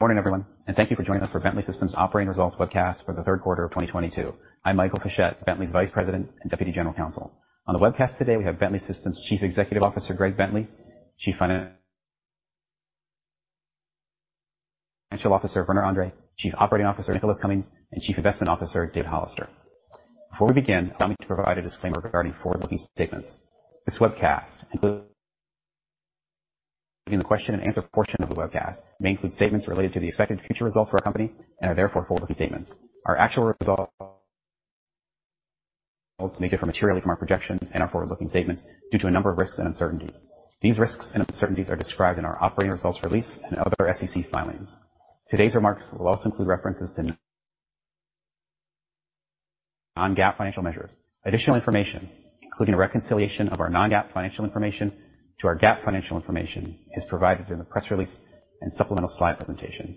Morning, everyone. Thank you for joining us for Bentley Systems' operating results webcast for the third quarter of 2022. I'm Michael Fischette, Bentley's Vice President and Deputy General Counsel. On the webcast today, we have Bentley Systems' Chief Executive Officer, Greg Bentley, Chief Financial Officer, Werner Andre, Chief Operating Officer, Nicholas Cumins, and Chief Investment Officer, David Hollister. Before we begin, allow me to provide a disclaimer regarding forward-looking statements. This webcast, including the question and answer portion of the webcast, may include statements related to the expected future results for our company and are therefore forward-looking statements. Our actual results may differ materially from our projections and our forward-looking statements due to a number of risks and uncertainties. These risks and uncertainties are described in our operating results release and other SEC filings. Today's remarks will also include references to non-GAAP financial measures. Additional information, including a reconciliation of our non-GAAP financial information to our GAAP financial information, is provided in the press release and supplemental slide presentation.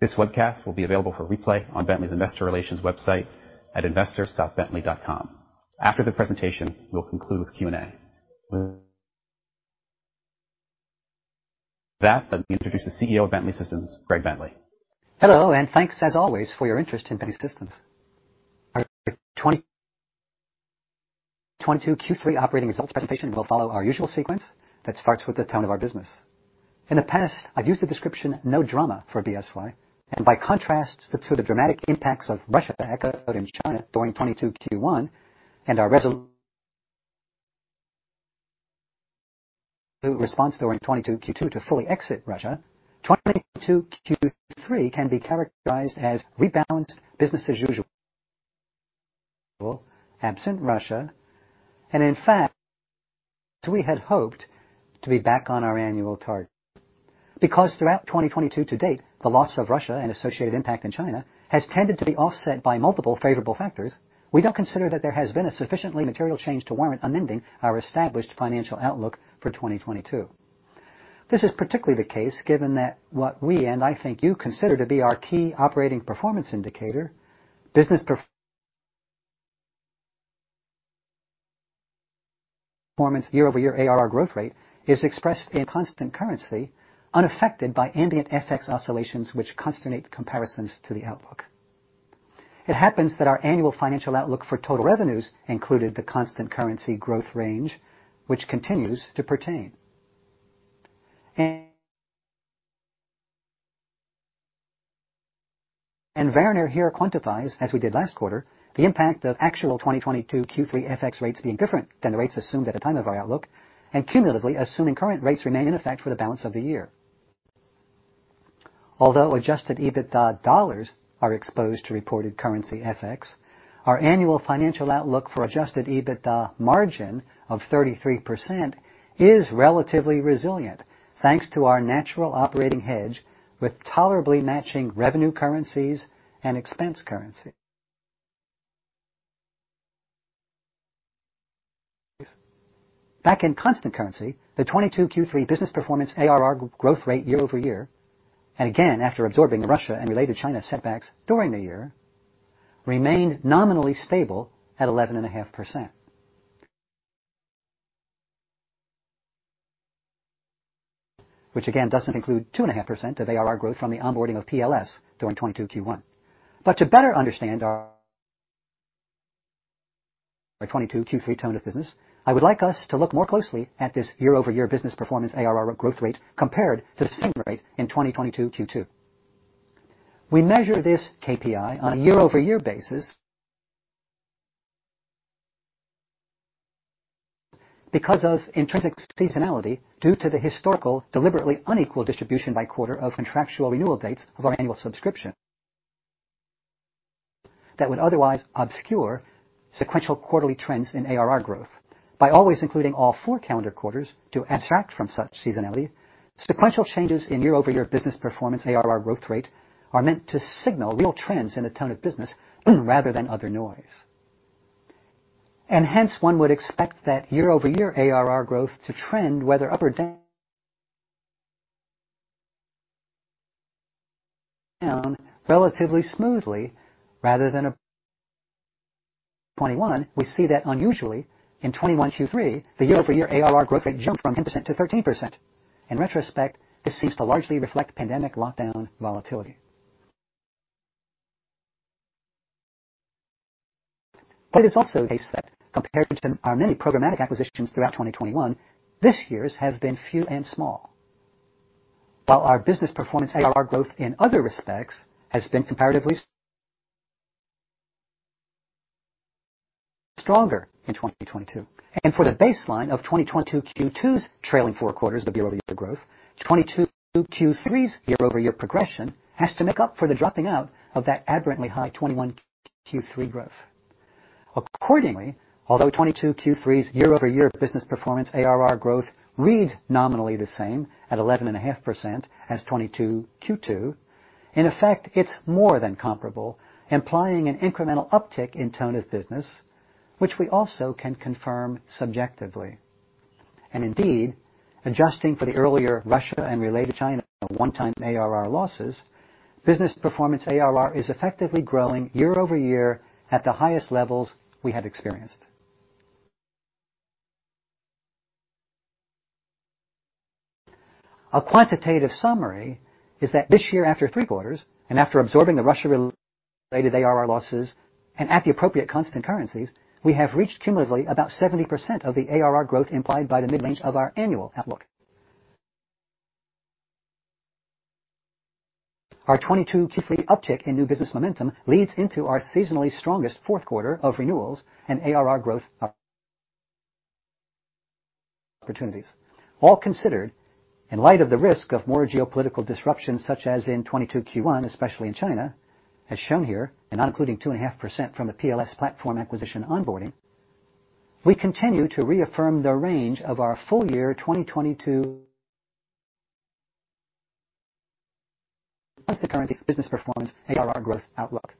This webcast will be available for replay on Bentley's investor relations website at investors.bentley.com. After the presentation, we'll conclude with Q&A. Let me introduce the CEO of Bentley Systems, Greg Bentley. Hello. Thanks as always for your interest in Bentley Systems. Our 2022 Q3 operating results presentation will follow our usual sequence that starts with the tone of our business. In the past, I've used the description "no drama" for BSY, by contrast to the dramatic impacts of Russia, China during 2022 Q1, and our response during 2022 Q2 to fully exit Russia, 2022 Q3 can be characterized as rebalanced business as usual, absent Russia. In fact, we had hoped to be back on our annual target. Throughout 2022 to date, the loss of Russia and associated impact in China has tended to be offset by multiple favorable factors, we don't consider that there has been a sufficiently material change to warrant amending our established financial outlook for 2022. This is particularly the case given that what we, and I think you, consider to be our key operating performance indicator, business performance year-over-year ARR growth rate is expressed in constant currency unaffected by ambient FX oscillations which constinate comparisons to the outlook. It happens that our annual financial outlook for total revenues included the constant currency growth range, which continues to pertain. Werner here quantifies, as we did last quarter, the impact of actual 2022 Q3 FX rates being different than the rates assumed at the time of our outlook, and cumulatively assuming current rates remain in effect for the balance of the year. Although adjusted EBITDA dollars are exposed to reported currency FX, our annual financial outlook for adjusted EBITDA margin of 33% is relatively resilient, thanks to our natural operating hedge with tolerably matching revenue currencies and expense currencies. Back in constant currency, the 2022 Q3 business performance ARR growth rate year-over-year, after absorbing the Russia and related China setbacks during the year, remained nominally stable at 11.5%. It doesn't include 2.5% of ARR growth from the onboarding of PLS during 2022 Q1. To better understand our 2022 Q3 tone of business, I would like us to look more closely at this year-over-year business performance ARR growth rate compared to the same rate in 2022 Q2. We measure this KPI on a year-over-year basis because of intrinsic seasonality due to the historical, deliberately unequal distribution by quarter of contractual renewal dates of our annual subscription that would otherwise obscure sequential quarterly trends in ARR growth. By always including all four calendar quarters to abstract from such seasonality, sequential changes in year-over-year business performance ARR growth rate are meant to signal real trends in the tone of business rather than other noise. One would expect that year-over-year ARR growth to trend whether up or down relatively smoothly. We see that unusually in 2021 Q3, the year-over-year ARR growth rate jumped from 10% to 13%. In retrospect, this seems to largely reflect pandemic lockdown volatility. It is also the case that compared to our many programmatic acquisitions throughout 2021, this year's have been few and small. Our business performance ARR growth in other respects has been comparatively stronger in 2022. For the baseline of 2022 Q2's trailing four quarters of year-over-year growth, 2022 Q3's year-over-year progression has to make up for the dropping out of that aberrantly high 2021 Q3 growth. Accordingly, although 2022 Q3's year-over-year business performance ARR growth reads nominally the same at 11.5% as 2022 Q2, in effect, it's more than comparable, implying an incremental uptick in tone of business, which we also can confirm subjectively. Adjusting for the earlier Russia and related China one-time ARR losses, business performance ARR is effectively growing year-over-year at the highest levels we have experienced. A quantitative summary is that this year, after three quarters, after absorbing the Russia-related ARR losses, at the appropriate constant currencies, we have reached cumulatively about 70% of the ARR growth implied by the mid-range of our annual outlook. Our 2022 Q3 uptick in new business momentum leads into our seasonally strongest fourth quarter of renewals and ARR growth opportunities. All considered, in light of the risk of more geopolitical disruption such as in 2022 Q1, especially in China, as shown here, not including 2.5% from the PLS platform acquisition onboarding, we continue to reaffirm the range of our full year 2022 constant currency business performance ARR growth outlook.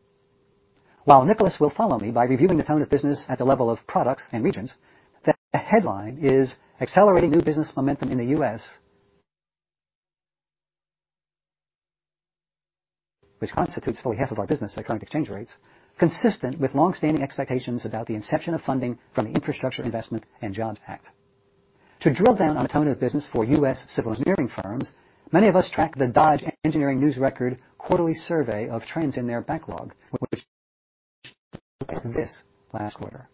Nicholas will follow me by reviewing the tone of business at the level of products and regions, the headline is accelerating new business momentum in the U.S. It constitutes fully half of our business at current exchange rates, consistent with long-standing expectations about the inception of funding from the Infrastructure Investment and Jobs Act. To drill down on the tone of business for U.S. civil engineering firms, many of us track the Engineering News-Record quarterly survey of trends in their backlog, which looked like this last quarter.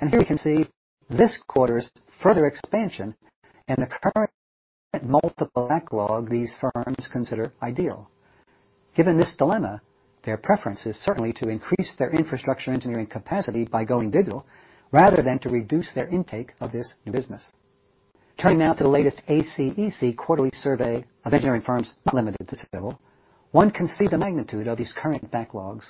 Here we can see this quarter's further expansion and the current multiple backlog these firms consider ideal. Given this dilemma, their preference is certainly to increase their infrastructure engineering capacity by going digital rather than to reduce their intake of this new business. Turning now to the latest ACEC quarterly survey of engineering firms not limited to civil, one can see the magnitude of these current backlogs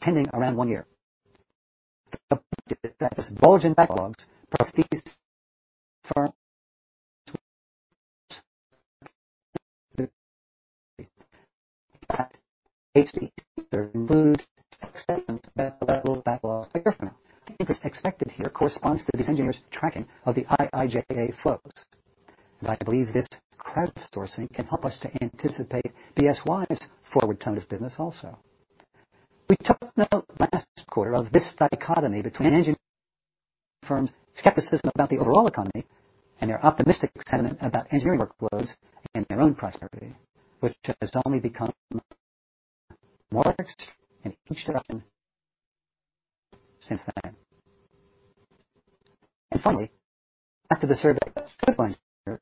tending around one year. The bulges in backlogs plus these firms' skepticism about the level of backlogs by year from now. The increase expected here corresponds to these engineers' tracking of the IIJA flows. I believe this crowdsourcing can help us to anticipate BSY's forward tone of business also. We took note last quarter of this dichotomy between engineering firms' skepticism about the overall economy and their optimistic sentiment about engineering workloads and their own prosperity, which has only become more extreme in each direction since then. Finally, after the survey of civil engineers'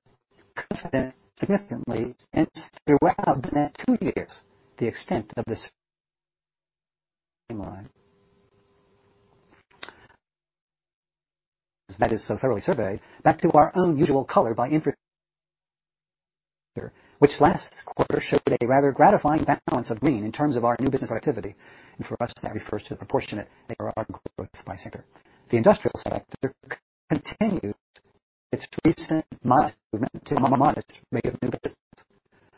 confidence significantly and substantially wow-ed in that two years, the extent of this shoreline. As that is so thoroughly surveyed, back to our own usual color by infrastructure sector, which last quarter showed a rather gratifying balance of green in terms of our new business productivity. For us, that refers to the proportionate ARR growth by sector. The industrial sector continues its recent modest rate of new business,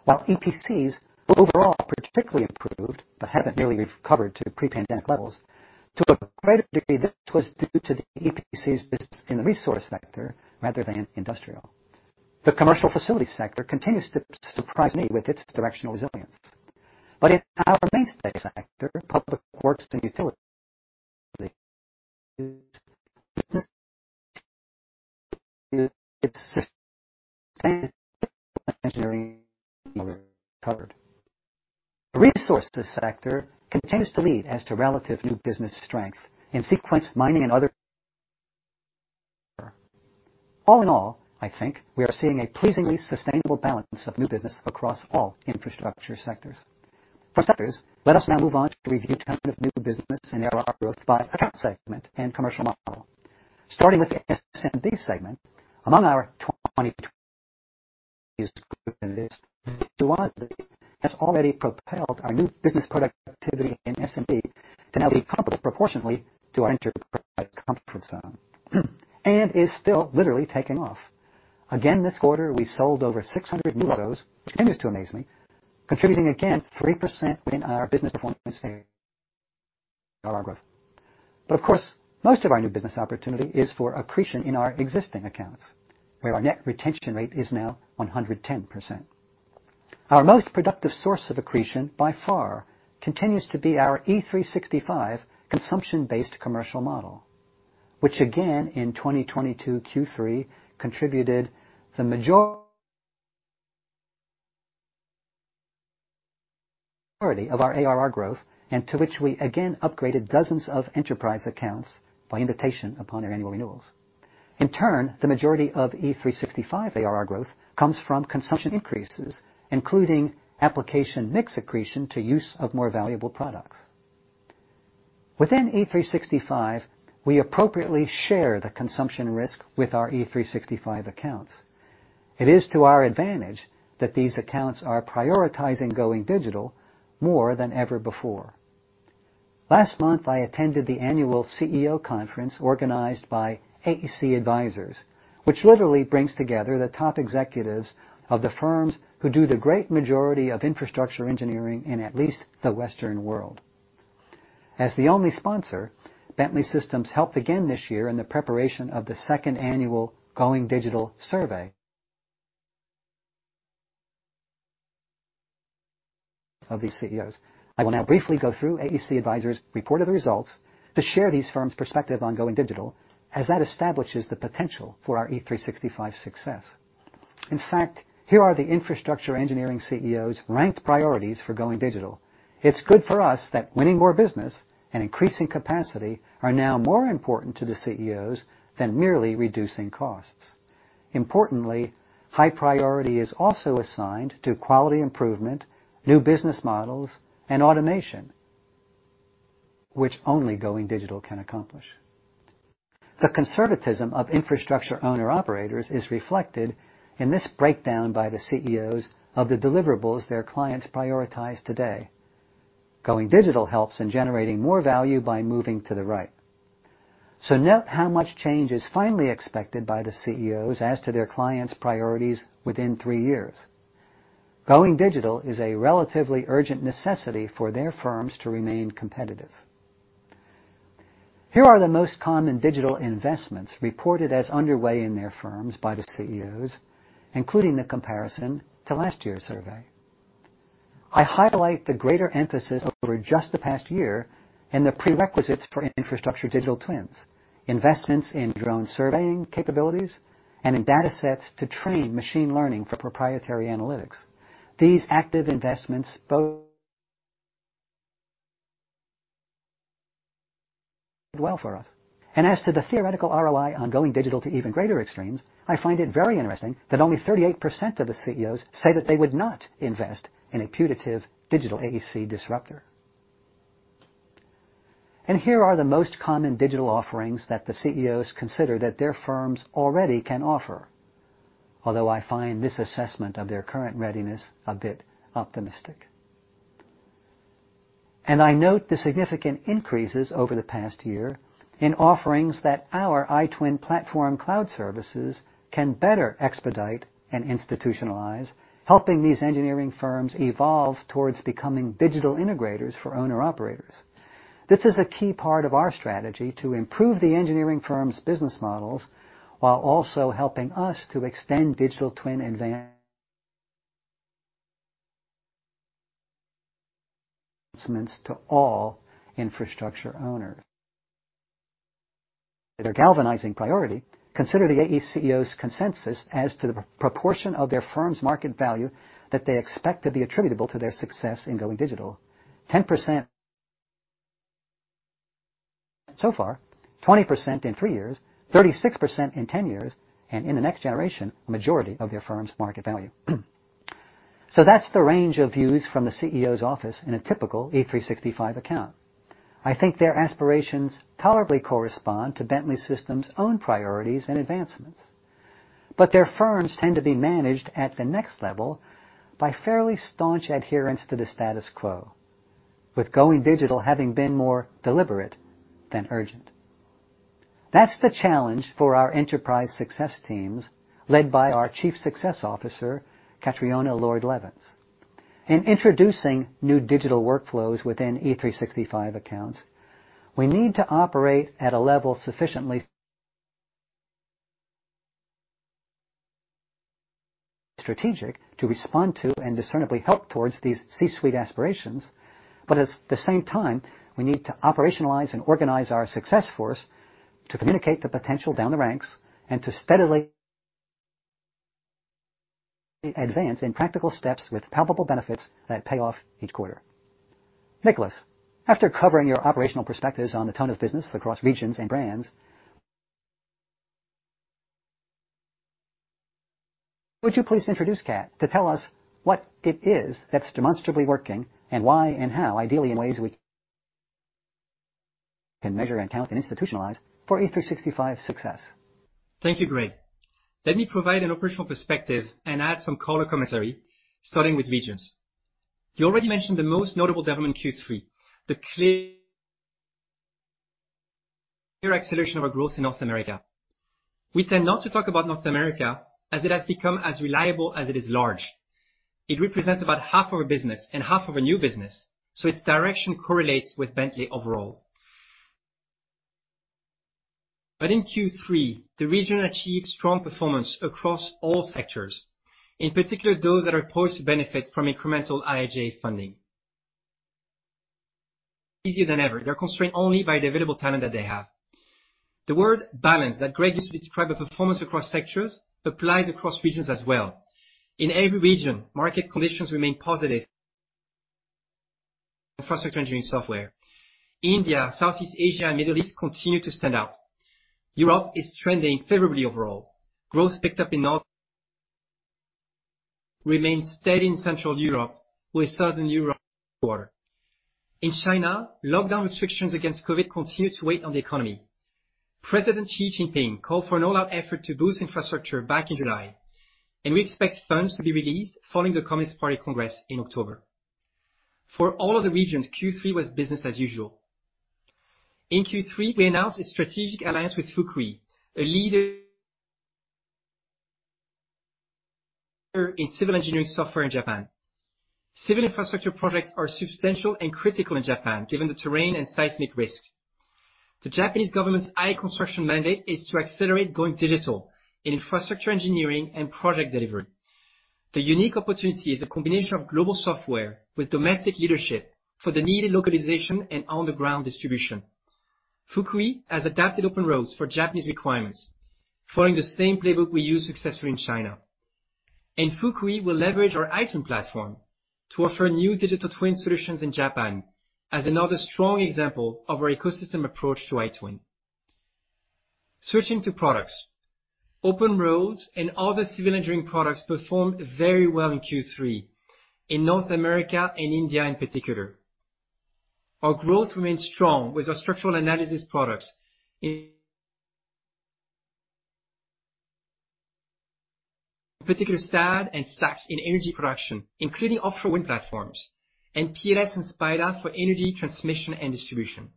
while EPCs overall particularly improved but haven't nearly recovered to pre-pandemic levels. To a greater degree, this was due to the EPCs' business in the resource sector rather than industrial. The commercial facilities sector continues to surprise me with its directional resilience. In our mainstay sector, public works and utilities, new business is still substantially below engineering recovery. The resources sector continues to lead as to relative new business strength. In sequence, mining and other resource extraction favor. All in all, I think we are seeing a pleasingly sustainable balance of new business across all infrastructure sectors. From sectors, let us now move on to review tone of new business and ARR growth by account segment and commercial model. Starting with the SMB segment, among our 2022 goodies proven this, Duality has already propelled our new business productivity in SMB to now be comparable proportionately to our enterprise comfort zone and is still literally taking off. Again, this quarter, we sold over 600 new autos, which continues to amaze me, contributing again 3% within our business performance area ARR growth. Of course, most of our new business opportunity is for accretion in our existing accounts, where our net retention rate is now 110%. Our most productive source of accretion, by far, continues to be our E365 consumption-based commercial model, which again in 2022 Q3 contributed the majority of our ARR growth and to which we again upgraded dozens of enterprise accounts by invitation upon their annual renewals. In turn, the majority of E365 ARR growth comes from consumption increases, including application mix accretion to use of more valuable products. Within E365, we appropriately share the consumption risk with our E365 accounts. It is to our advantage that these accounts are prioritizing going digital more than ever before. Last month, I attended the annual CEO conference organized by AEC Advisors, which literally brings together the top executives of the firms who do the great majority of infrastructure engineering in at least the Western world. As the only sponsor, Bentley Systems helped again this year in the preparation of the second annual Going Digital Survey of these CEOs. I will now briefly go through AEC Advisors' reported results to share these firms' perspective on going digital, as that establishes the potential for our E365 success. In fact, here are the infrastructure engineering CEOs' ranked priorities for going digital. It's good for us that winning more business and increasing capacity are now more important to the CEOs than merely reducing costs. Importantly, high priority is also assigned to quality improvement, new business models, and automation, which only going digital can accomplish. The conservatism of infrastructure owner-operators is reflected in this breakdown by the CEOs of the deliverables their clients prioritize today. Going digital helps in generating more value by moving to the right. Note how much change is finally expected by the CEOs as to their clients' priorities within three years. Going digital is a relatively urgent necessity for their firms to remain competitive. Here are the most common digital investments reported as underway in their firms by the CEOs, including the comparison to last year's survey. I highlight the greater emphasis over just the past year and the prerequisites for infrastructure digital twins, investments in drone surveying capabilities, and in data sets to train machine learning for proprietary analytics. These active investments bode well for us. As to the theoretical ROI on going digital to even greater extremes, I find it very interesting that only 38% of the CEOs say that they would not invest in a putative digital AEC disruptor. Here are the most common digital offerings that the CEOs consider that their firms already can offer. Although I find this assessment of their current readiness a bit optimistic. I note the significant increases over the past year in offerings that our iTwin Platform cloud services can better expedite and institutionalize, helping these engineering firms evolve towards becoming digital integrators for owner-operators. This is a key part of our strategy to improve the engineering firms' business models, while also helping us to extend digital twin advancements to all infrastructure owners. That are galvanizing priority. Consider the AE CEOs consensus as to the proportion of their firm's market value that they expect to be attributable to their success in going digital. 10% so far, 20% in three years, 36% in 10 years, and in the next generation, a majority of their firm's market value. That's the range of views from the CEO's office in a typical E365 account. I think their aspirations tolerably correspond to Bentley Systems' own priorities and advancements. Their firms tend to be managed at the next level by fairly staunch adherence to the status quo, with going digital having been more deliberate than urgent. That's the challenge for our enterprise success teams, led by our Chief Success Officer, Katriona Lord-Levins. In introducing new digital workflows within E365 accounts, we need to operate at a level sufficiently strategic to respond to and discernibly help towards these C-suite aspirations. We need to operationalize and organize our success force to communicate the potential down the ranks and to steadily advance in practical steps with palpable benefits that pay off each quarter. Nicholas, after covering your operational perspectives on the tone of business across regions and brands, would you please introduce Kat to tell us what it is that's demonstrably working and why and how, ideally, in ways we can measure and count and institutionalize for E365 success? Thank you, Greg. Let me provide an operational perspective and add some color commentary, starting with regions. You already mentioned the most notable development in Q3, the clear acceleration of our growth in North America. We tend not to talk about North America, as it has become as reliable as it is large. It represents about half of our business and half of our new business, so its direction correlates with Bentley overall. In Q3, the region achieved strong performance across all sectors, in particular, those that are poised to benefit from incremental IIJA funding. Easier than ever. They're constrained only by the available talent that they have. The word balance that Greg used to describe the performance across sectors applies across regions as well. In every region, market conditions remain positive for infrastructure engineering software. India, Southeast Asia, and Middle East continue to stand out. Europe is trending favorably overall. Growth picked up in North, remained steady in Central Europe, with Southern Europe slower. In China, lockdown restrictions against COVID continue to weigh on the economy. President Xi Jinping called for an all-out effort to boost infrastructure back in July, and we expect funds to be released following the Communist Party Congress in October. For all of the regions, Q3 was business as usual. In Q3, we announced a strategic alliance with Fukui, a leader in civil engineering software in Japan. Civil infrastructure projects are substantial and critical in Japan, given the terrain and seismic risk. The Japanese government's i-Construction mandate is to accelerate going digital in infrastructure engineering and project delivery. The unique opportunity is a combination of global software with domestic leadership for the needed localization and on-the-ground distribution. Fukui has adapted OpenRoads for Japanese requirements, following the same playbook we used successfully in China. Fukui will leverage our iTwin Platform to offer new digital twin solutions in Japan as another strong example of our ecosystem approach to iTwin. Switching to products. OpenRoads and other civil engineering products performed very well in Q3, in North America and India in particular. Our growth remains strong with our structural analysis products, in particular, STAAD and SACS in energy production, including offshore wind platforms, and PLS and SPIDA for energy transmission and distribution.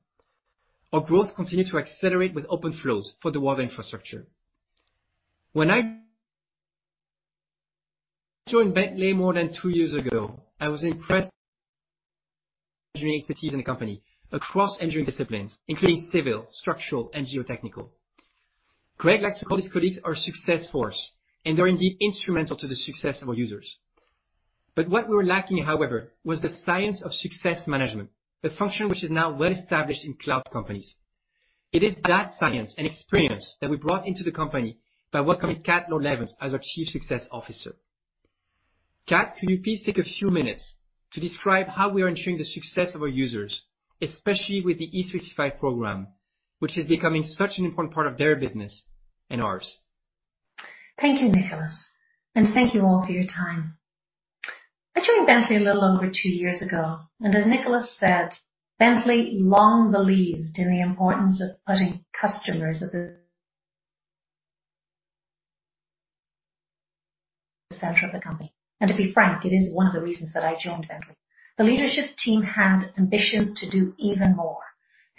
Our growth continued to accelerate with OpenFlows for the water infrastructure. When I joined Bentley more than two years ago, I was impressed with the engineering expertise in the company across engineering disciplines, including civil, structural, and geotechnical. Greg likes to call his colleagues our success force, and they're indeed instrumental to the success of our users. What we were lacking, however, was the science of success management, a function which is now well-established in cloud companies. It is that science and experience that we brought into the company by welcoming Katriona Lord-Levins as our Chief Success Officer. Kat, could you please take a few minutes to describe how we are ensuring the success of our users, especially with the E365 Program, which is becoming such an important part of their business and ours? Thank you, Nicholas, and thank you all for your time. I joined Bentley a little over two years ago, as Nicholas said, Bentley long believed in the importance of putting customers at the center of the company. To be frank, it is one of the reasons that I joined Bentley. The leadership team had ambitions to do even more,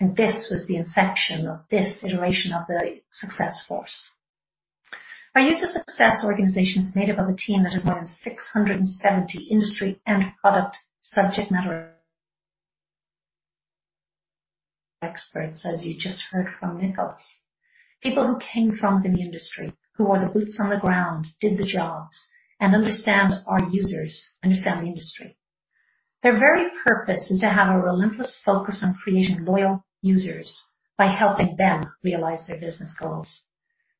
and this was the inception of this iteration of the success force. Our user success organization is made up of a team that is more than 670 industry and product subject matter experts, as you just heard from Nicholas. People who came from the industry, who wore the boots on the ground, did the jobs, and understand our users, understand the industry. Their very purpose is to have a relentless focus on creating loyal users by helping them realize their business goals.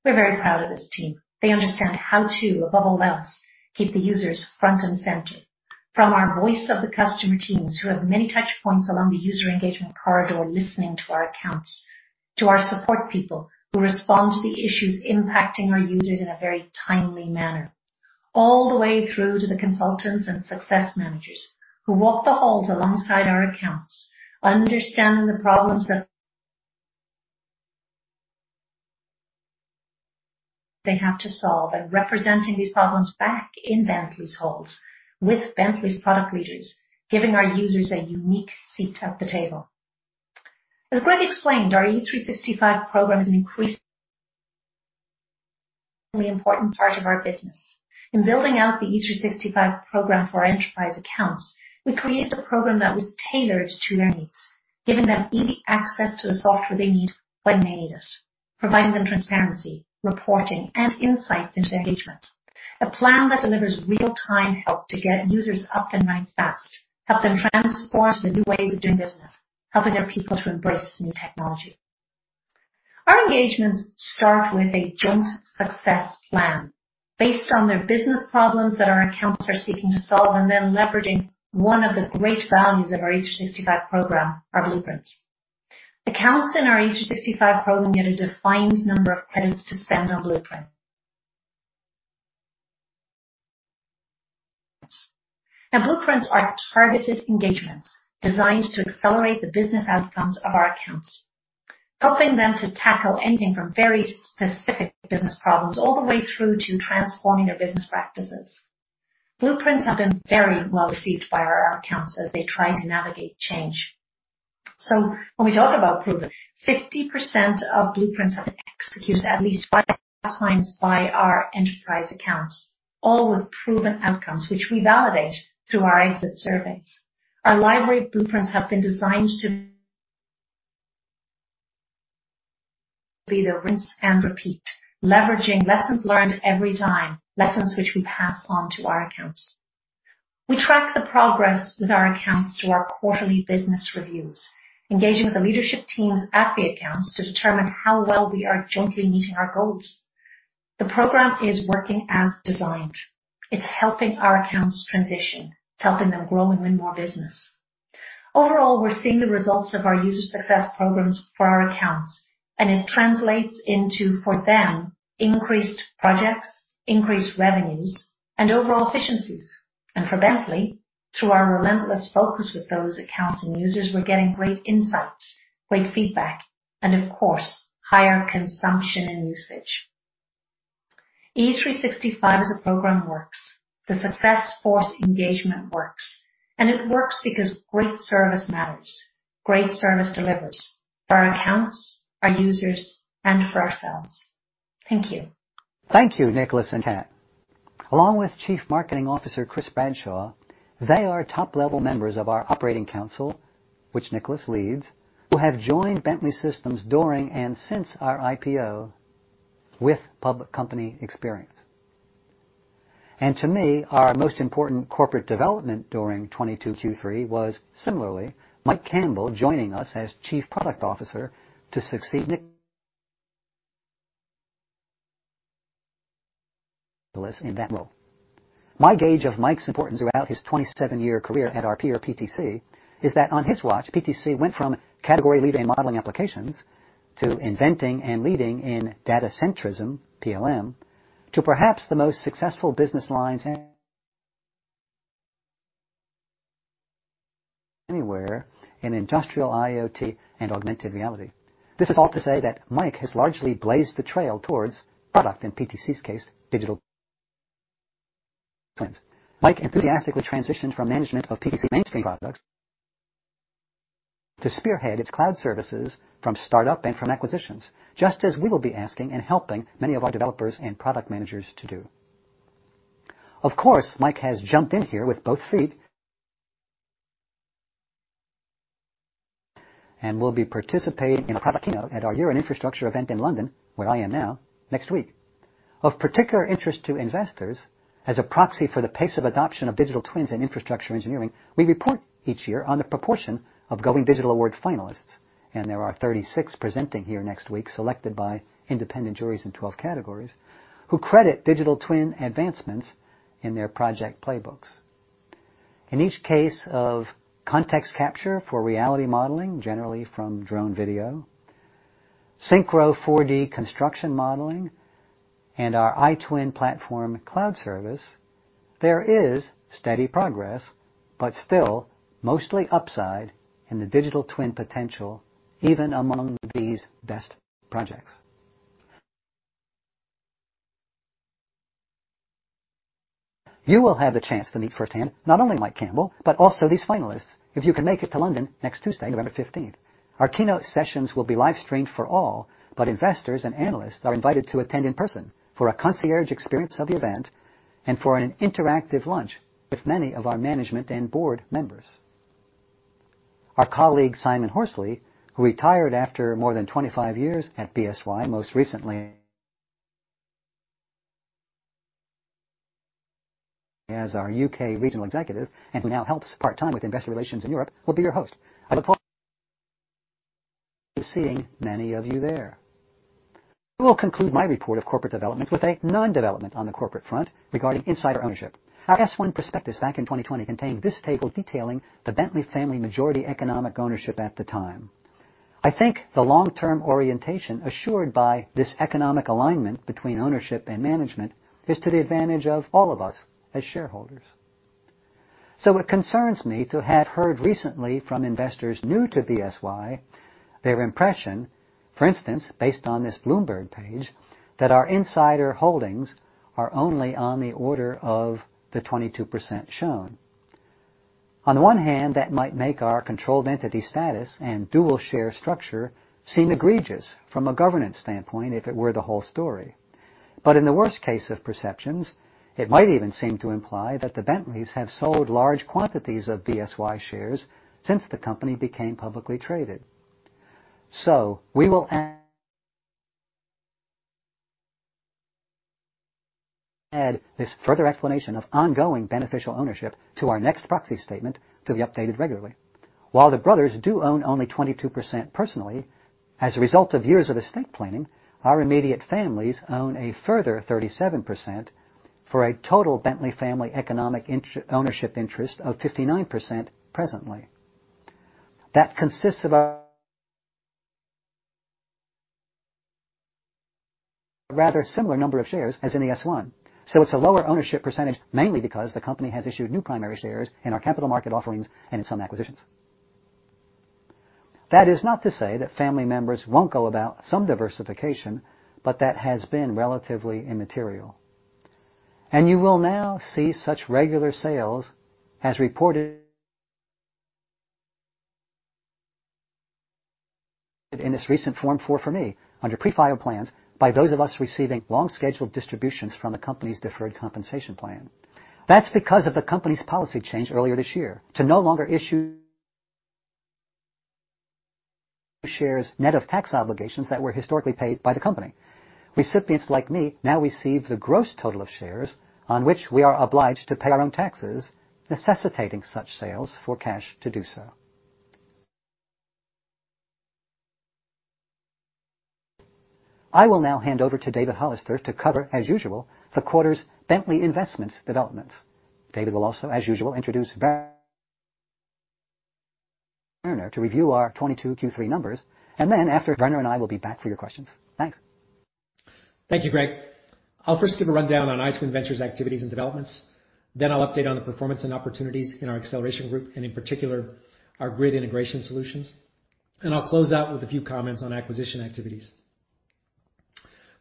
We are very proud of this team. They understand how to, above all else, keep the users front and center. From our voice of the customer teams, who have many touch points along the user engagement corridor, listening to our accounts, to our support people, who respond to the issues impacting our users in a very timely manner, all the way through to the consultants and success managers, who walk the halls alongside our accounts, understanding the problems that they have to solve and representing these problems back in Bentley's halls with Bentley's product leaders, giving our users a unique seat at the table. As Greg explained, our E365 Program is an increasingly important part of our business. In building out the E365 Program for our enterprise accounts, we created a program that was tailored to their needs, giving them easy access to the software they need when they need it, providing them transparency, reporting, and insight into their engagement. A plan that delivers real-time help to get users up and running fast, help them transform to new ways of doing business, helping their people to embrace new technology. Our engagements start with a joint success plan based on their business problems that our accounts are seeking to solve, then leveraging one of the great values of our E365 Program, our Blueprints. Accounts in our E365 Program get a defined number of credits to spend on Blueprints. Blueprints are targeted engagements designed to accelerate the business outcomes of our accounts, helping them to tackle anything from very specific business problems all the way through to transforming their business practices. Blueprints have been very well-received by our accounts as they try to navigate change. When we talk about Blueprints, 50% of Blueprints have executed at least five times by our enterprise accounts, all with proven outcomes, which we validate through our exit surveys. Our library of Blueprints have been designed to be the rinse and repeat, leveraging lessons learned every time, lessons which we pass on to our accounts. We track the progress with our accounts through our quarterly business reviews, engaging with the leadership teams at the accounts to determine how well we are jointly meeting our goals. The program is working as designed. It's helping our accounts transition. It's helping them grow and win more business. Overall, we're seeing the results of our user success programs for our accounts, and it translates into, for them, increased projects, increased revenues, and overall efficiencies. For Bentley, through our relentless focus with those accounts and users, we're getting great insights, great feedback, and of course, higher consumption and usage. E365 as a program works. The success force engagement works, and it works because great service matters. Great service delivers for our accounts, our users, and for ourselves. Thank you. Thank you, Nicholas and Kat. Along with Chief Marketing Officer, Chris Bradshaw, they are top-level members of our operating council, which Nicholas leads, who have joined Bentley Systems during and since our IPO with public company experience. To me, our most important corporate development during 2022 Q3 was similarly Mike Campbell joining us as Chief Product Officer to succeed Nicholas in that role. My gauge of Mike's importance throughout his 27-year career at our peer, PTC, is that on his watch, PTC went from category-leading modeling applications to inventing and leading in data centrism, PLM, to perhaps the most successful business lines anywhere in industrial IoT and augmented reality. This is all to say that Mike has largely blazed the trail towards product, in PTC's case, digital twins. Mike enthusiastically transitioned from management of PTC mainstream products to spearhead its cloud services from startup and from acquisitions, just as we will be asking and helping many of our developers and product managers to do. Of course, Mike has jumped in here with both feet and will be participating in a product keynote at our Year in Infrastructure event in London, where I am now, next week. Of particular interest to investors as a proxy for the pace of adoption of digital twins in infrastructure engineering, we report each year on the proportion of Going Digital Awards finalists, and there are 36 presenting here next week, selected by independent juries in 12 categories, who credit digital twin advancements in their project playbooks. In each case of ContextCapture for reality modeling, generally from drone video, SYNCHRO 4D construction modeling, and our iTwin Platform cloud service, there is steady progress, but still mostly upside in the digital twin potential, even among these best projects. You will have the chance to meet firsthand not only Mike Campbell, but also these finalists if you can make it to London next Tuesday, November 15th. Our keynote sessions will be live-streamed for all. Investors and analysts are invited to attend in person for a concierge experience of the event and for an interactive lunch with many of our management and board members. Our colleague, Simon Horsley, who retired after more than 25 years at BSY, most recently as our U.K. regional executive and who now helps part-time with investor relations in Europe, will be your host. I look forward to seeing many of you there. I will conclude my report of corporate development with a non-development on the corporate front regarding insider ownership. Our S-1 prospectus back in 2020 contained this table detailing the Bentley family majority economic ownership at the time. I think the long-term orientation assured by this economic alignment between ownership and management is to the advantage of all of us as shareholders. It concerns me to have heard recently from investors new to BSY, their impression, for instance, based on this Bloomberg page, that our insider holdings are only on the order of the 22% shown. On the one hand, that might make our controlled entity status and dual share structure seem egregious from a governance standpoint if it were the whole story. In the worst case of perceptions, it might even seem to imply that the Bentleys have sold large quantities of BSY shares since the company became publicly traded. We will add this further explanation of ongoing beneficial ownership to our next proxy statement to be updated regularly. While the brothers do own only 22% personally, as a result of years of estate planning, our immediate families own a further 37% for a total Bentley family economic ownership interest of 59% presently. That consists of a rather similar number of shares as in the S-1. It's a lower ownership percentage, mainly because the company has issued new primary shares in our capital market offerings and in some acquisitions. That is not to say that family members won't go about some diversification, but that has been relatively immaterial. You will now see such regular sales as reported in this recent Form 4 for me under pre-filed plans by those of us receiving long-scheduled distributions from the company's deferred compensation plan. That's because of the company's policy change earlier this year to no longer issue shares net of tax obligations that were historically paid by the company. Recipients like me now receive the gross total of shares on which we are obliged to pay our own taxes, necessitating such sales for cash to do so. I will now hand over to David Hollister to cover, as usual, the quarter's Bentley Investments developments. David will also, as usual, introduce Werner to review our 2022 Q3 numbers. After, Werner and I will be back for your questions. Thanks. Thank you, Greg. I'll first give a rundown on iTwin Ventures activities and developments. I'll update on the performance and opportunities in our acceleration group, and in particular, our grid integration solutions. I'll close out with a few comments on acquisition activities.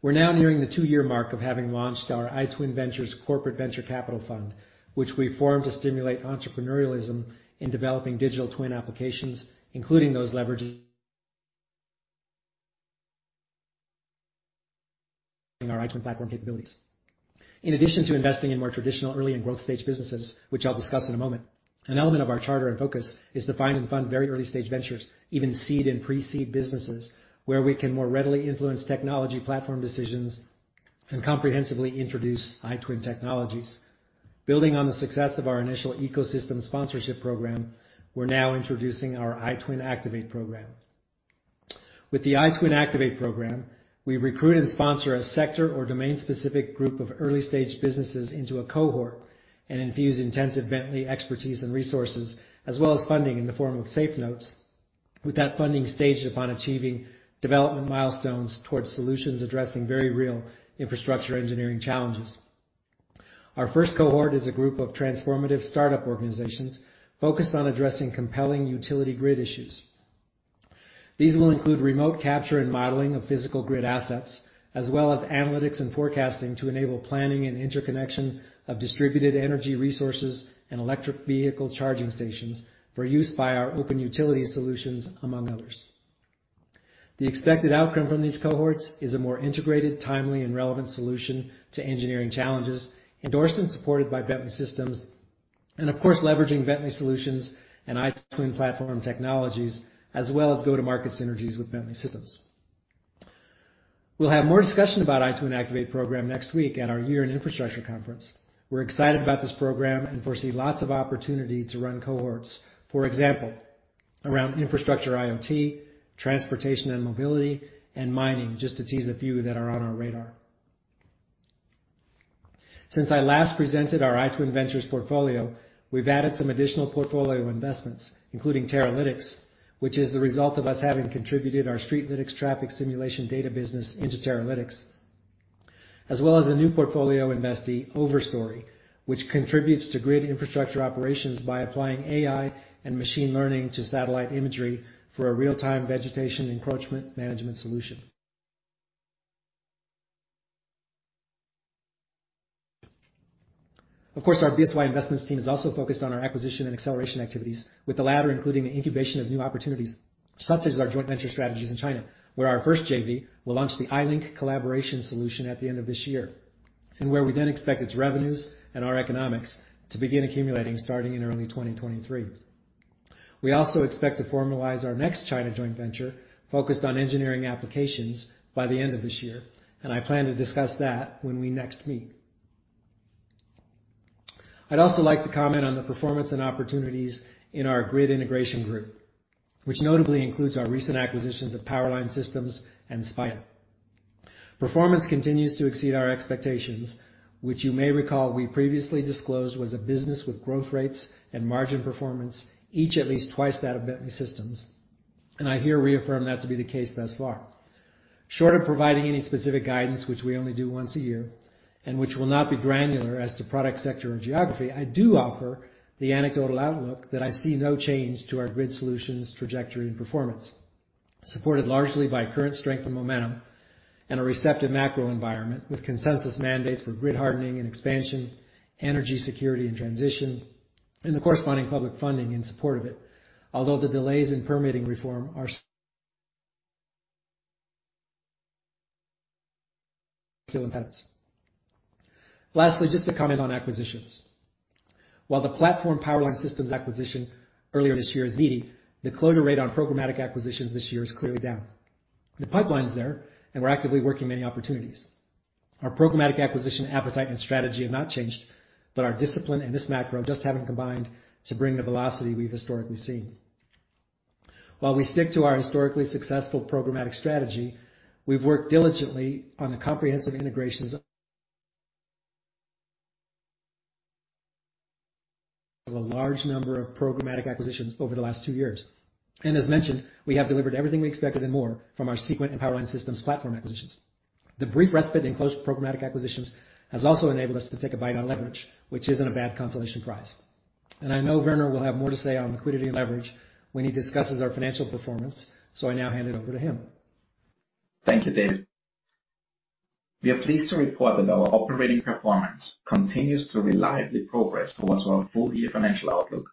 We're now nearing the 2-year mark of having launched our iTwin Ventures corporate venture capital fund, which we formed to stimulate entrepreneurialism in developing digital twin applications, including those leveraging our iTwin Platform capabilities. In addition to investing in more traditional early and growth stage businesses, which I'll discuss in a moment, an element of our charter and focus is to find and fund very early-stage ventures, even seed and pre-seed businesses, where we can more readily influence technology platform decisions and comprehensively introduce iTwin technologies. Building on the success of our initial ecosystem sponsorship program, we're now introducing our iTwin Activate program. With the iTwin Activate program, we recruit and sponsor a sector or domain-specific group of early-stage businesses into a cohort and infuse intensive Bentley expertise and resources, as well as funding in the form of SAFE Notes, with that funding staged upon achieving development milestones towards solutions addressing very real infrastructure engineering challenges. Our first cohort is a group of transformative startup organizations focused on addressing compelling utility grid issues. These will include remote capture and modeling of physical grid assets, as well as analytics and forecasting to enable planning and interconnection of distributed energy resources and electric vehicle charging stations for use by our open utility solutions, among others. The expected outcome from these cohorts is a more integrated, timely, and relevant solution to engineering challenges, endorsed and supported by Bentley Systems and, of course, leveraging Bentley solutions and iTwin Platform technologies, as well as go-to-market synergies with Bentley Systems. We'll have more discussion about iTwin Activate program next week at our Year in Infrastructure conference. We're excited about this program and foresee lots of opportunity to run cohorts. For example, around infrastructure IoT, transportation and mobility, and mining, just to tease a few that are on our radar. Since I last presented our iTwin Ventures portfolio, we've added some additional portfolio investments, including Teralytics, which is the result of us having contributed our Streetlytics traffic simulation data business into Teralytics. As well as a new portfolio investee, Overstory, which contributes to grid infrastructure operations by applying AI and machine learning to satellite imagery for a real-time vegetation encroachment management solution. Of course, our BSY investments team is also focused on our acquisition and acceleration activities, with the latter including the incubation of new opportunities, such as our joint venture strategies in China, where our first JV will launch the iLink collaboration solution at the end of this year, and where we then expect its revenues and our economics to begin accumulating starting in early 2023. We also expect to formalize our next China joint venture focused on engineering applications by the end of this year, and I plan to discuss that when we next meet. I'd also like to comment on the performance and opportunities in our grid integration group, which notably includes our recent acquisitions of Power Line Systems and SPIDA. Performance continues to exceed our expectations, which you may recall we previously disclosed was a business with growth rates and margin performance, each at least twice that of Bentley Systems. I here reaffirm that to be the case thus far. Short of providing any specific guidance, which we only do once a year, and which will not be granular as to product sector or geography, I do offer the anecdotal outlook that I see no change to our grid solutions trajectory and performance, supported largely by current strength and momentum and a receptive macro environment with consensus mandates for grid hardening and expansion, energy security and transition, and the corresponding public funding in support of it. Although the delays in permitting reform are still impediments. Lastly, just to comment on acquisitions. While the platform Power Line Systems acquisition earlier this year is meaty, the closure rate on programmatic acquisitions this year is clearly down. The pipeline's there, and we're actively working many opportunities. Our programmatic acquisition appetite and strategy have not changed, but our discipline and this macro just haven't combined to bring the velocity we've historically seen. While we stick to our historically successful programmatic strategy, we've worked diligently on the comprehensive integrations of a large number of programmatic acquisitions over the last two years. As mentioned, we have delivered everything we expected and more from our Seequent and Power Line Systems platform acquisitions. The brief respite in close programmatic acquisitions has also enabled us to take a bite on leverage, which isn't a bad consolation prize. I know Werner will have more to say on liquidity and leverage when he discusses our financial performance. I now hand it over to him. Thank you, David. We are pleased to report that our operating performance continues to reliably progress towards our full-year financial outlook,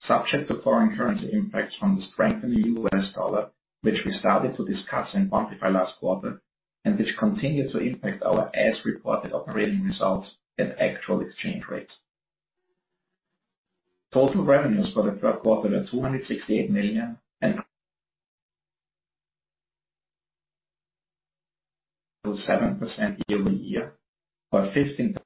subject to foreign currency impacts from the strengthening U.S. dollar, which we started to discuss and quantify last quarter, and which continue to impact our as-reported operating results and actual exchange rates. Total revenues for the third quarter are $268 million and 7% year-over-year, or 15.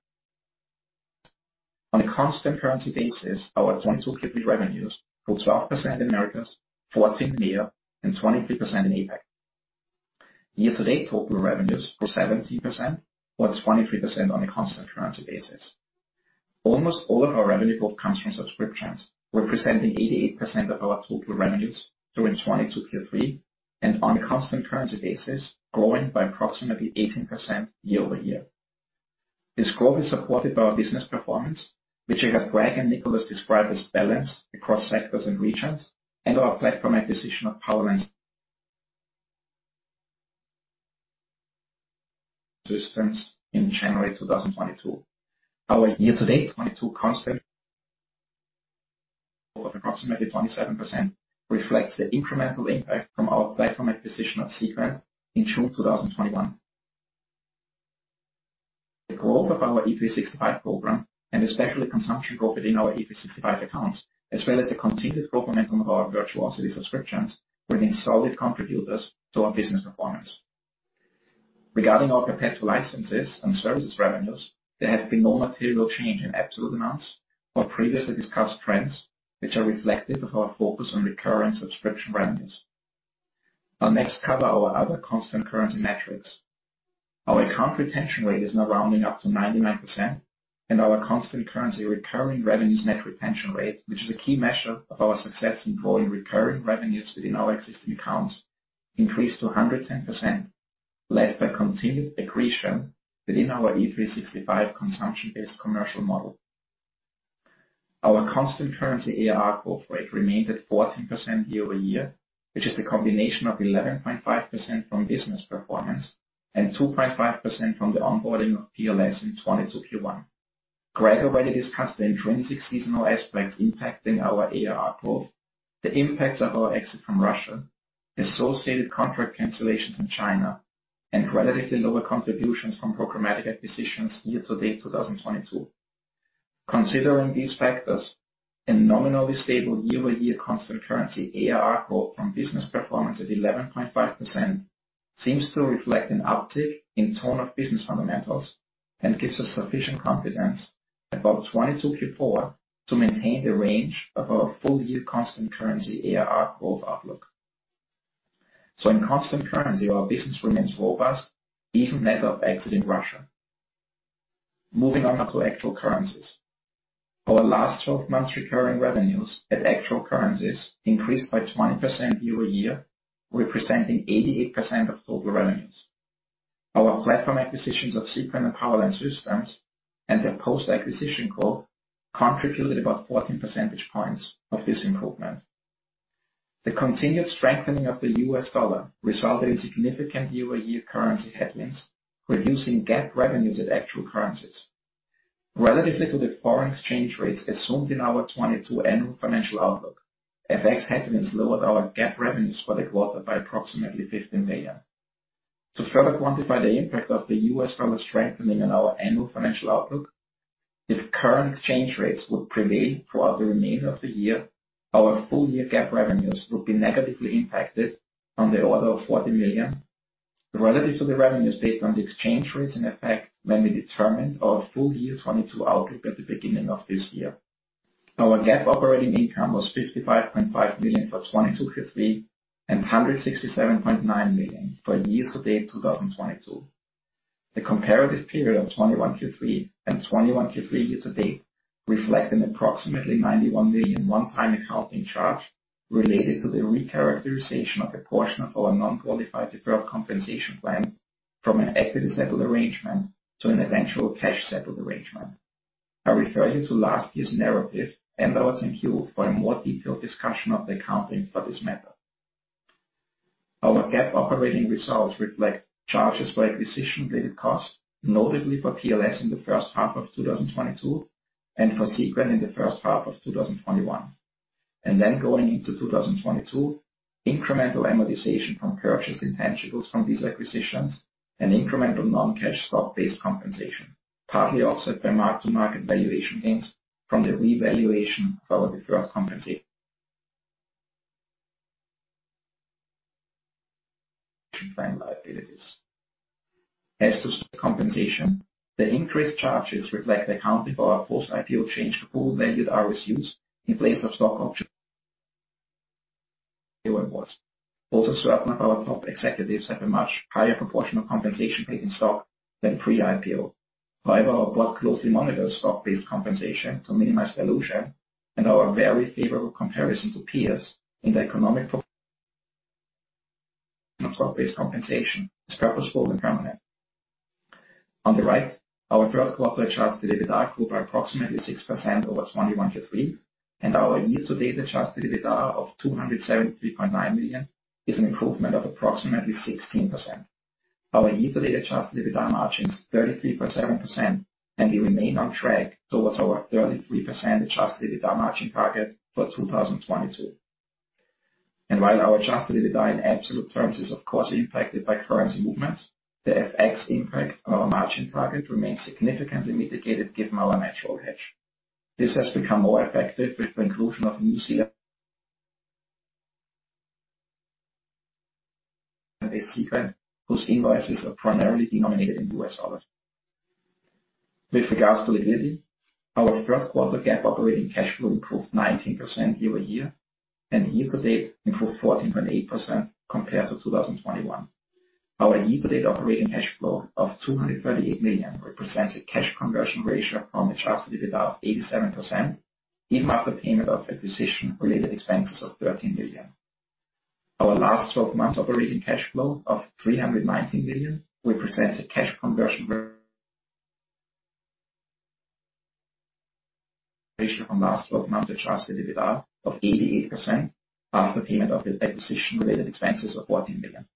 On a constant currency basis, our Q2 revenues grew 12% in Americas, 14% in EMEA, and 23% in APAC. Year-to-date total revenues grew 17%, or 23% on a constant currency basis. Almost all of our revenue growth comes from subscriptions, representing 88% of our total revenues during 2022 Q3, and on a constant currency basis, growing by approximately 18% year-over-year. This growth is supported by our business performance, which I have Greg and Nicholas describe as balanced across sectors and regions, and our platform acquisition of Power Line Systems in January 2022. Our year-to-date 2022 constant Of approximately 27%, reflects the incremental impact from our platform acquisition of Seequent in June 2021. The growth of our E365 program, and especially consumption growth within our E365 accounts, as well as the continued growth momentum of our virtual city subscriptions, remain solid contributors to our business performance. Regarding our perpetual licenses and services revenues, there have been no material change in absolute amounts or previously discussed trends, which are reflective of our focus on recurring subscription revenues. I'll next cover our other constant currency metrics. Our account retention rate is now rounding up to 99%, and our constant currency recurring revenues net retention rate, which is a key measure of our success in growing recurring revenues within our existing accounts, increased to 110%, led by continued accretion within our E365 consumption-based commercial model. Our constant currency ARR growth rate remained at 14% year-over-year, which is the combination of 11.5% from business performance and 2.5% from the onboarding of PLS in 2022 Q1. Greg already discussed the intrinsic seasonal aspects impacting our ARR growth, the impacts of our exit from Russia, associated contract cancellations in China, and relatively lower contributions from programmatic acquisitions year-to-date 2022. Considering these factors, a nominally stable year-over-year constant currency ARR growth from business performance at 11.5% seems to reflect an uptick in tone of business fundamentals and gives us sufficient confidence about 2022 Q4 to maintain the range of our full-year constant currency ARR growth outlook. In constant currency, our business remains robust even net of exit in Russia. Moving on now to actual currencies. Our last 12 months recurring revenues at actual currencies increased by 20% year-over-year, representing 88% of total revenues. Our platform acquisitions of Seequent and Power Line Systems and their post-acquisition growth contributed about 14 percentage points of this improvement. The continued strengthening of the U.S. dollar resulted in significant year-over-year currency headwinds, reducing GAAP revenues at actual currencies. Relatively to the foreign exchange rates assumed in our 2022 annual financial outlook, FX headwinds lowered our GAAP revenues for the quarter by approximately $15 million. To further quantify the impact of the U.S. dollar strengthening on our annual financial outlook, if current exchange rates would prevail throughout the remainder of the year, our full-year GAAP revenues would be negatively impacted on the order of $40 million relative to the revenues based on the exchange rates in effect when we determined our full year 2022 outlook at the beginning of this year. Our GAAP operating income was $55.5 million for 2022 Q3 and $167.9 million for year to date 2022. The comparative period of 2021 Q3 and 2021 Q3 year to date reflect an approximately $91 million one-time accounting charge related to the recharacterization of a portion of our non-qualified deferred compensation plan from an equity settled arrangement to an eventual cash settled arrangement. I refer you to last year's narrative and our 10-Q for a more detailed discussion of the accounting for this matter. Our GAAP operating results reflect charges for acquisition-related costs, notably for PLS in the first half of 2022 and for Seequent in the first half of 2021. Going into 2022, incremental amortization from purchased intangibles from these acquisitions and incremental non-cash stock-based compensation, partly offset by mark-to-market valuation gains from the revaluation of our deferred compensation plan liabilities. As to stock compensation, the increased charges reflect the accounting for our post-IPO change to full vested RSUs in place of stock option awards. Also certain of our top executives have a much higher proportion of compensation paid in stock than pre-IPO. However, the board closely monitors stock-based compensation to minimize dilution and our very favorable comparison to peers in the economic stock-based compensation is purposeful and permanent. On the right, our third quarter adjusted EBITDA grew by approximately 6% over 2021 Q3, and our year-to-date adjusted EBITDA of $273.9 million is an improvement of approximately 16%. Our year-to-date adjusted EBITDA margin is 33.7%, and we remain on track towards our 33% adjusted EBITDA margin target for 2022. While our adjusted EBITDA in absolute terms is of course impacted by currency movements, the FX impact on our margin target remains significantly mitigated given our natural hedge. This has become more effective with the inclusion of New Zealand-based Seequent, whose invoices are primarily denominated in U.S. dollars. With regards to liquidity, our third quarter GAAP operating cash flow improved 19% year-over-year, and year to date improved 14.8% compared to 2021. Our year-to-date operating cash flow of $238 million represents a cash conversion ratio from adjusted EBITDA of 87%, even after payment of acquisition related expenses of $13 million. Our last 12 months operating cash flow of $319 million represents a cash conversion ratio from last 12 months adjusted EBITDA of 88% after payment of the acquisition related expenses of $14 million.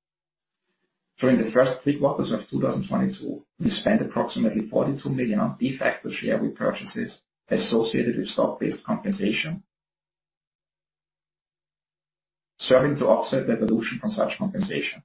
During the first three quarters of 2022, we spent approximately $42 million on de facto share repurchases associated with stock-based compensation, serving to offset the dilution from such compensation.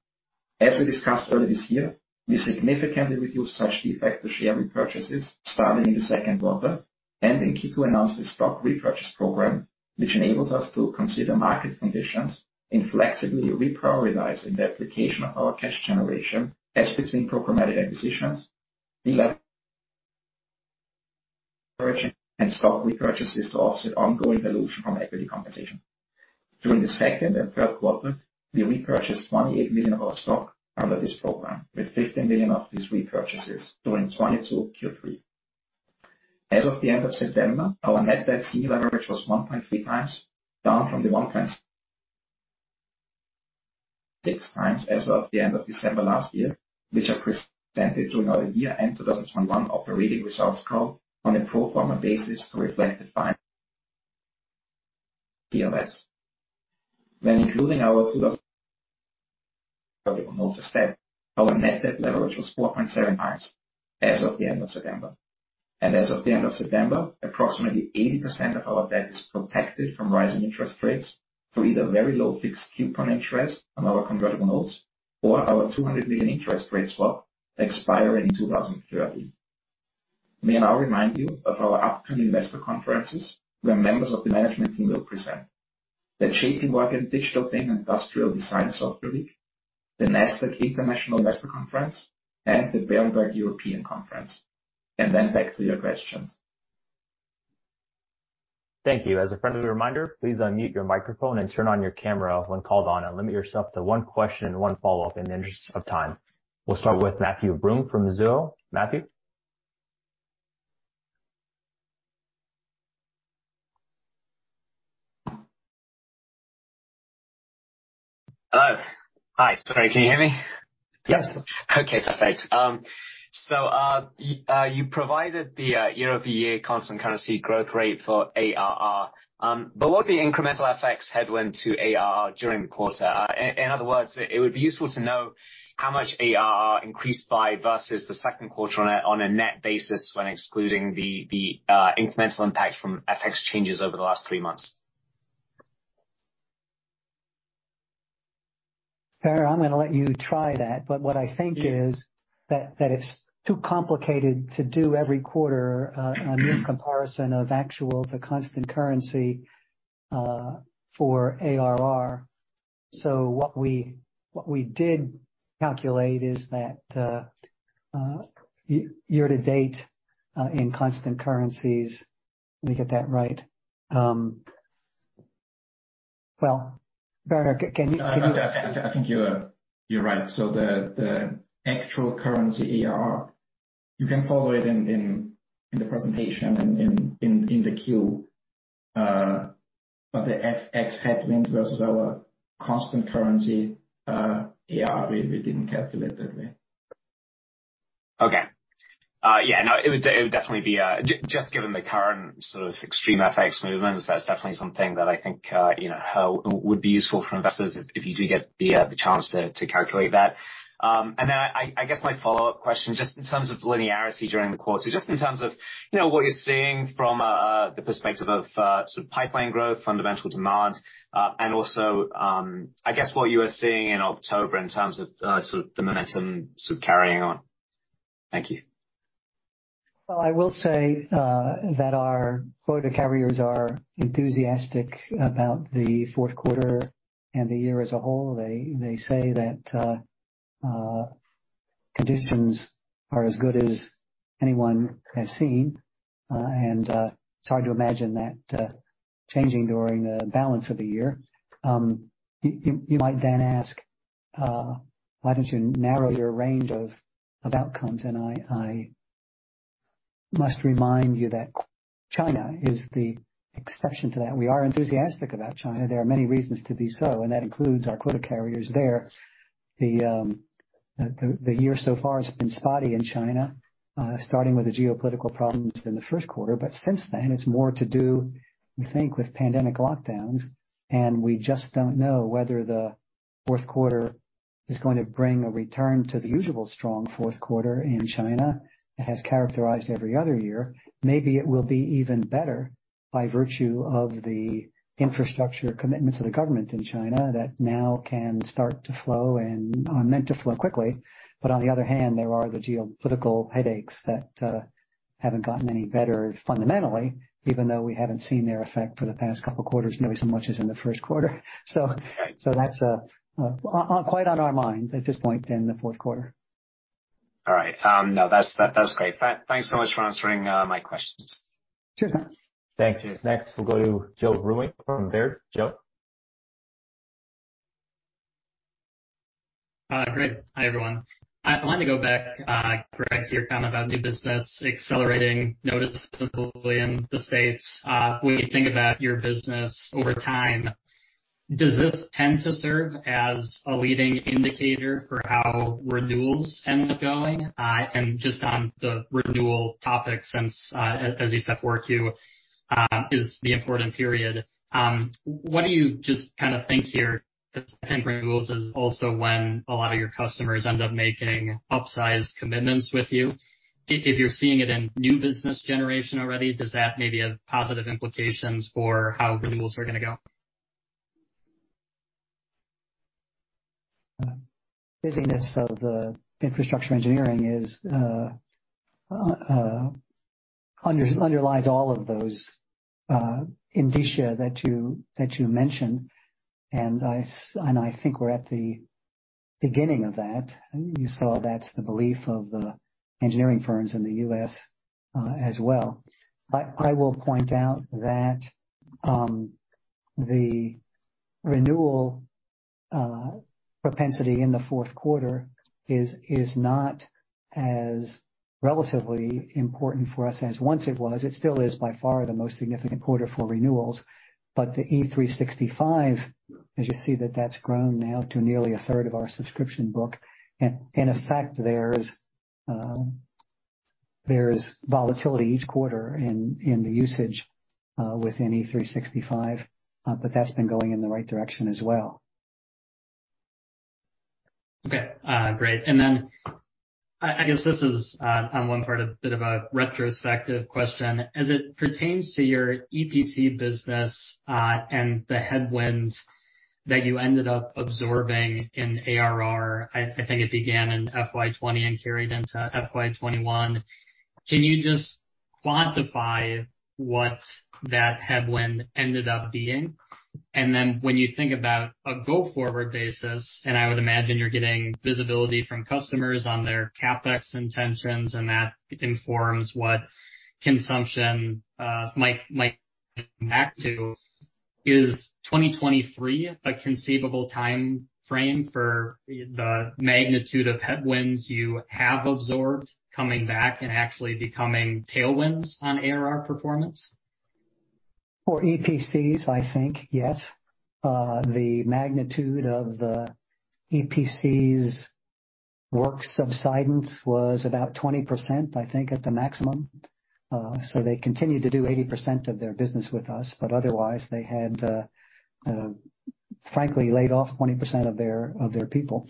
As we discussed earlier this year, we significantly reduced such de facto share repurchases starting in the second quarter, in Q2 announced a stock repurchase program, which enables us to consider market conditions in flexibly reprioritizing the application of our cash generation as between programmatic acquisitions, deleveraging, and stock repurchases to offset ongoing dilution from equity compensation. During the second and third quarter, we repurchased $28 million of our stock under this program, with $15 million of these repurchases during 2022 Q3. As of the end of September, our net debt CE leverage was 1.3 times, down from the 1.6 times as of the end of December last year, which I presented during our year-end 2021 operating results call on a pro forma basis to reflect the final POS. When including our 2,000 convertible notes, our net debt leverage was 4.7 times as of the end of September. As of the end of September, approximately 80% of our debt is protected from rising interest rates through either very low fixed coupon interest on our convertible notes or our $200 million interest rate swap expiring in 2030. May I now remind you of our upcoming investor conferences where members of the management team will present. The Digital Twin and Industrial Design Software Week, the Nasdaq International Investor Conference, and the Berenberg European Conference. Back to your questions. Thank you. As a friendly reminder, please unmute your microphone and turn on your camera when called on, and limit yourself to one question and one follow-up in the interest of time. We'll start with Matthew Broome from Mizuho. Matthew? Hello. Hi, sorry, can you hear me? Yes. Okay, perfect. You provided the year-over-year constant currency growth rate for ARR. What's the incremental FX headwind to ARR during the quarter? In other words, it would be useful to know how much ARR increased by versus the second quarter on a net basis when excluding the incremental impact from FX changes over the last three months. Werner, I am going to let you try that, but what I think is that it's too complicated to do every quarter a near comparison of actual to constant currency for ARR. What we did calculate is that year to date, in constant currencies, let me get that right. Well, Werner, can you- I think you're right. The actual currency ARR, you can follow it in the presentation in the 10-Q. The FX headwind versus our constant currency ARR, we didn't calculate that way. Okay. Yeah, no, it would definitely be. Just given the current sort of extreme FX movements, that's definitely something that I think would be useful for investors if you do get the chance to calculate that. I guess my follow-up question, just in terms of linearity during the quarter, just in terms of what you're seeing from the perspective of sort of pipeline growth, fundamental demand, and also, I guess what you are seeing in October in terms of the momentum carrying on. Thank you. Well, I will say that our quota carriers are enthusiastic about the fourth quarter and the year as a whole. They say that conditions are as good as anyone has seen, and it's hard to imagine that changing during the balance of the year. You might then ask, "Why don't you narrow your range of outcomes?" I must remind you that China is the exception to that. We are enthusiastic about China. There are many reasons to be so, and that includes our quota carriers there. The year so far has been spotty in China, starting with the geopolitical problems in the first quarter. Since then, it's more to do, we think, with pandemic lockdowns, we just don't know whether the fourth quarter is going to bring a return to the usual strong fourth quarter in China that has characterized every other year. Maybe it will be even better by virtue of the infrastructure commitments of the government in China that now can start to flow and are meant to flow quickly. On the other hand, there are the geopolitical headaches that haven't gotten any better fundamentally, even though we haven't seen their effect for the past couple of quarters, maybe so much as in the first quarter. Right That's quite on our minds at this point in the fourth quarter. All right. No, that's great. Thanks so much for answering my questions. Sure. Thanks. Next, we'll go to Joe Vruwink from Baird. Joe? Great. Hi, everyone. I wanted to go back, Greg, to your comment on new business accelerating noticeably in the States. When you think about your business over time, does this tend to serve as a leading indicator for how renewals end up going? Just on the renewal topic, since as you said, 4Q is the important period. What do you just think here, since renewals is also when a lot of your customers end up making upsized commitments with you? If you're seeing it in new business generation already, does that maybe have positive implications for how renewals are going to go? Busyness of the infrastructure engineering underlies all of those indicia that you mentioned. I think we're at the beginning of that. You saw that's the belief of the engineering firms in the U.S. as well. I will point out that the renewal propensity in the fourth quarter is not as relatively important for us as once it was. It still is by far the most significant quarter for renewals, but the E365, as you see that that's grown now to nearly a third of our subscription book. In effect, there's volatility each quarter in the usage within E365, but that's been going in the right direction as well. Okay. Great. I guess this is on one part a bit of a retrospective question. As it pertains to your EPC business, and the headwinds that you ended up absorbing in ARR, I think it began in FY 2020 and carried into FY 2021. Can you just quantify what that headwind ended up being? When you think about a go-forward basis, and I would imagine you're getting visibility from customers on their CapEx intentions, and that informs what consumption might come back to, is 2023 a conceivable timeframe for the magnitude of headwinds you have absorbed coming back and actually becoming tailwinds on ARR performance? For EPCs, I think, yes. The magnitude of the EPCs work subsidence was about 20%, I think, at the maximum. They continued to do 80% of their business with us, but otherwise, they had, frankly, laid off 20% of their people.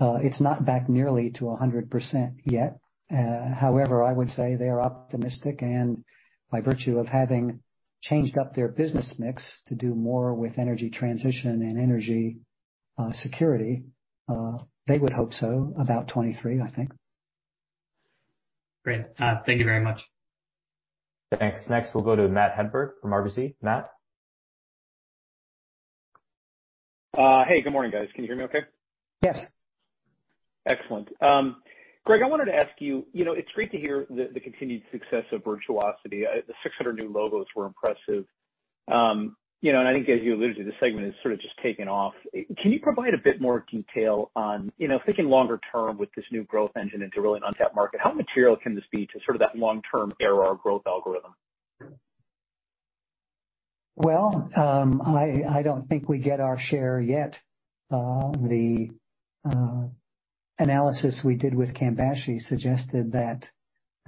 It's not back nearly to 100% yet. However, I would say they are optimistic, and by virtue of having changed up their business mix to do more with energy transition and energy security, they would hope so about 2023, I think. Great. Thank you very much. Thanks. Next, we'll go to Matthew Hedberg from RBC. Matt? Hey, good morning, guys. Can you hear me okay? Yes. Excellent. Greg, I wanted to ask you, it's great to hear the continued success of Virtuosity. The 600 new logos were impressive. I think, as you alluded to, this segment has sort of just taken off. Can you provide a bit more detail on, thinking longer term with this new growth engine into a really untapped market, how material can this be to sort of that long-term ARR growth algorithm? I don't think we get our share yet. The analysis we did with Cambashi suggested that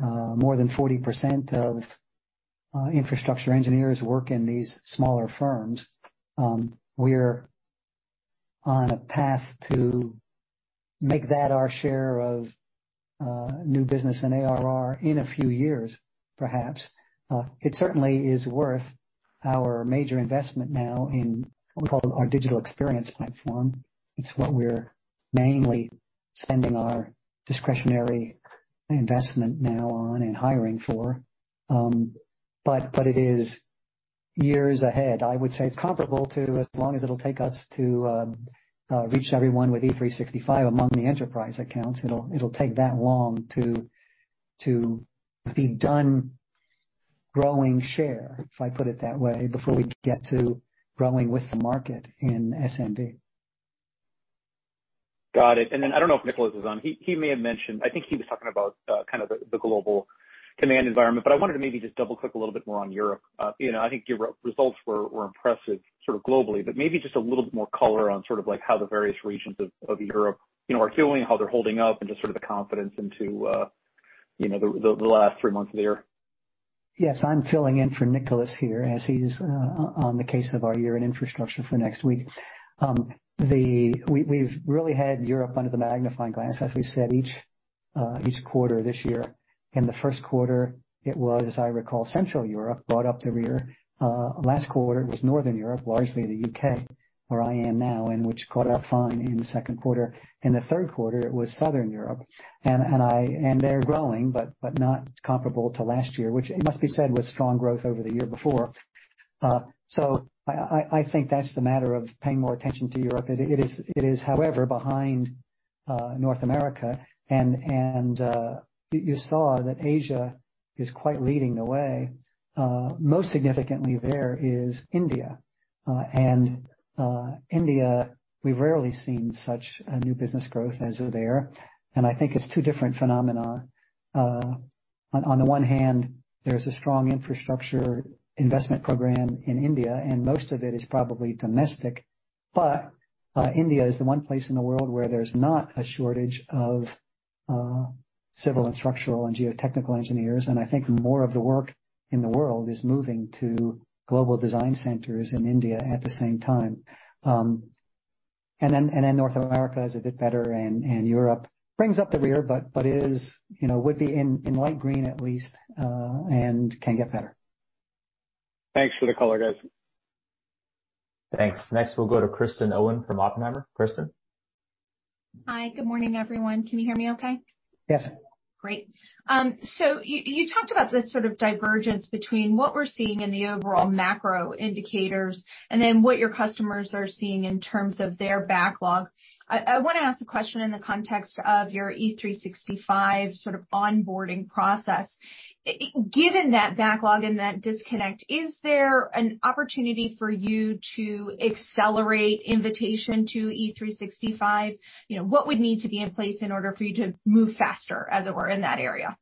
more than 40% of infrastructure engineers work in these smaller firms. We're on a path to make that our share of new business and ARR in a few years, perhaps. It certainly is worth our major investment now in what we call our digital experience platform. It's what we're mainly spending our discretionary investment now on and hiring for. It is years ahead. I would say it's comparable to as long as it'll take us to reach everyone with E365 among the enterprise accounts. It'll take that long to be done growing share, if I put it that way, before we get to growing with the market in SMB. Got it. I don't know if Nicholas is on. He may have mentioned, I think he was talking about the global command environment, but I wanted to maybe just double-click a little bit more on Europe. I think your results were impressive globally, but maybe just a little bit more color on how the various regions of Europe are feeling, how they're holding up, and just the confidence into the last three months of the year. I'm filling in for Nicholas here as he's on the case of our Year in Infrastructure for next week. We've really had Europe under the magnifying glass, as we've said, each quarter this year. In the first quarter, it was, as I recall, Central Europe brought up the rear. Last quarter, it was Northern Europe, largely the U.K., where I am now, and which caught up finally in the second quarter. In the third quarter, it was Southern Europe. They're growing, but not comparable to last year, which it must be said, was strong growth over the year before. I think that's the matter of paying more attention to Europe. It is, however, behind North America, and you saw that Asia is quite leading the way. Most significantly there is India. India, we've rarely seen such a new business growth as there. I think it's two different phenomena. On the one hand, there's a strong infrastructure investment program in India, and most of it is probably domestic. India is the one place in the world where there's not a shortage of civil and structural and geotechnical engineers, and I think more of the work in the world is moving to global design centers in India at the same time. North America is a bit better, and Europe brings up the rear but would be in light green at least, and can get better. Thanks for the color, guys. Thanks. Next we'll go to Kristen Owen from Oppenheimer. Kristen? Hi. Good morning, everyone. Can you hear me okay? Yes. Great. You talked about this sort of divergence between what we're seeing in the overall macro indicators and then what your customers are seeing in terms of their backlog. I want to ask a question in the context of your E365 sort of onboarding process. Given that backlog and that disconnect, is there an opportunity for you to accelerate invitation to E365? What would need to be in place in order for you to move faster, as it were, in that area?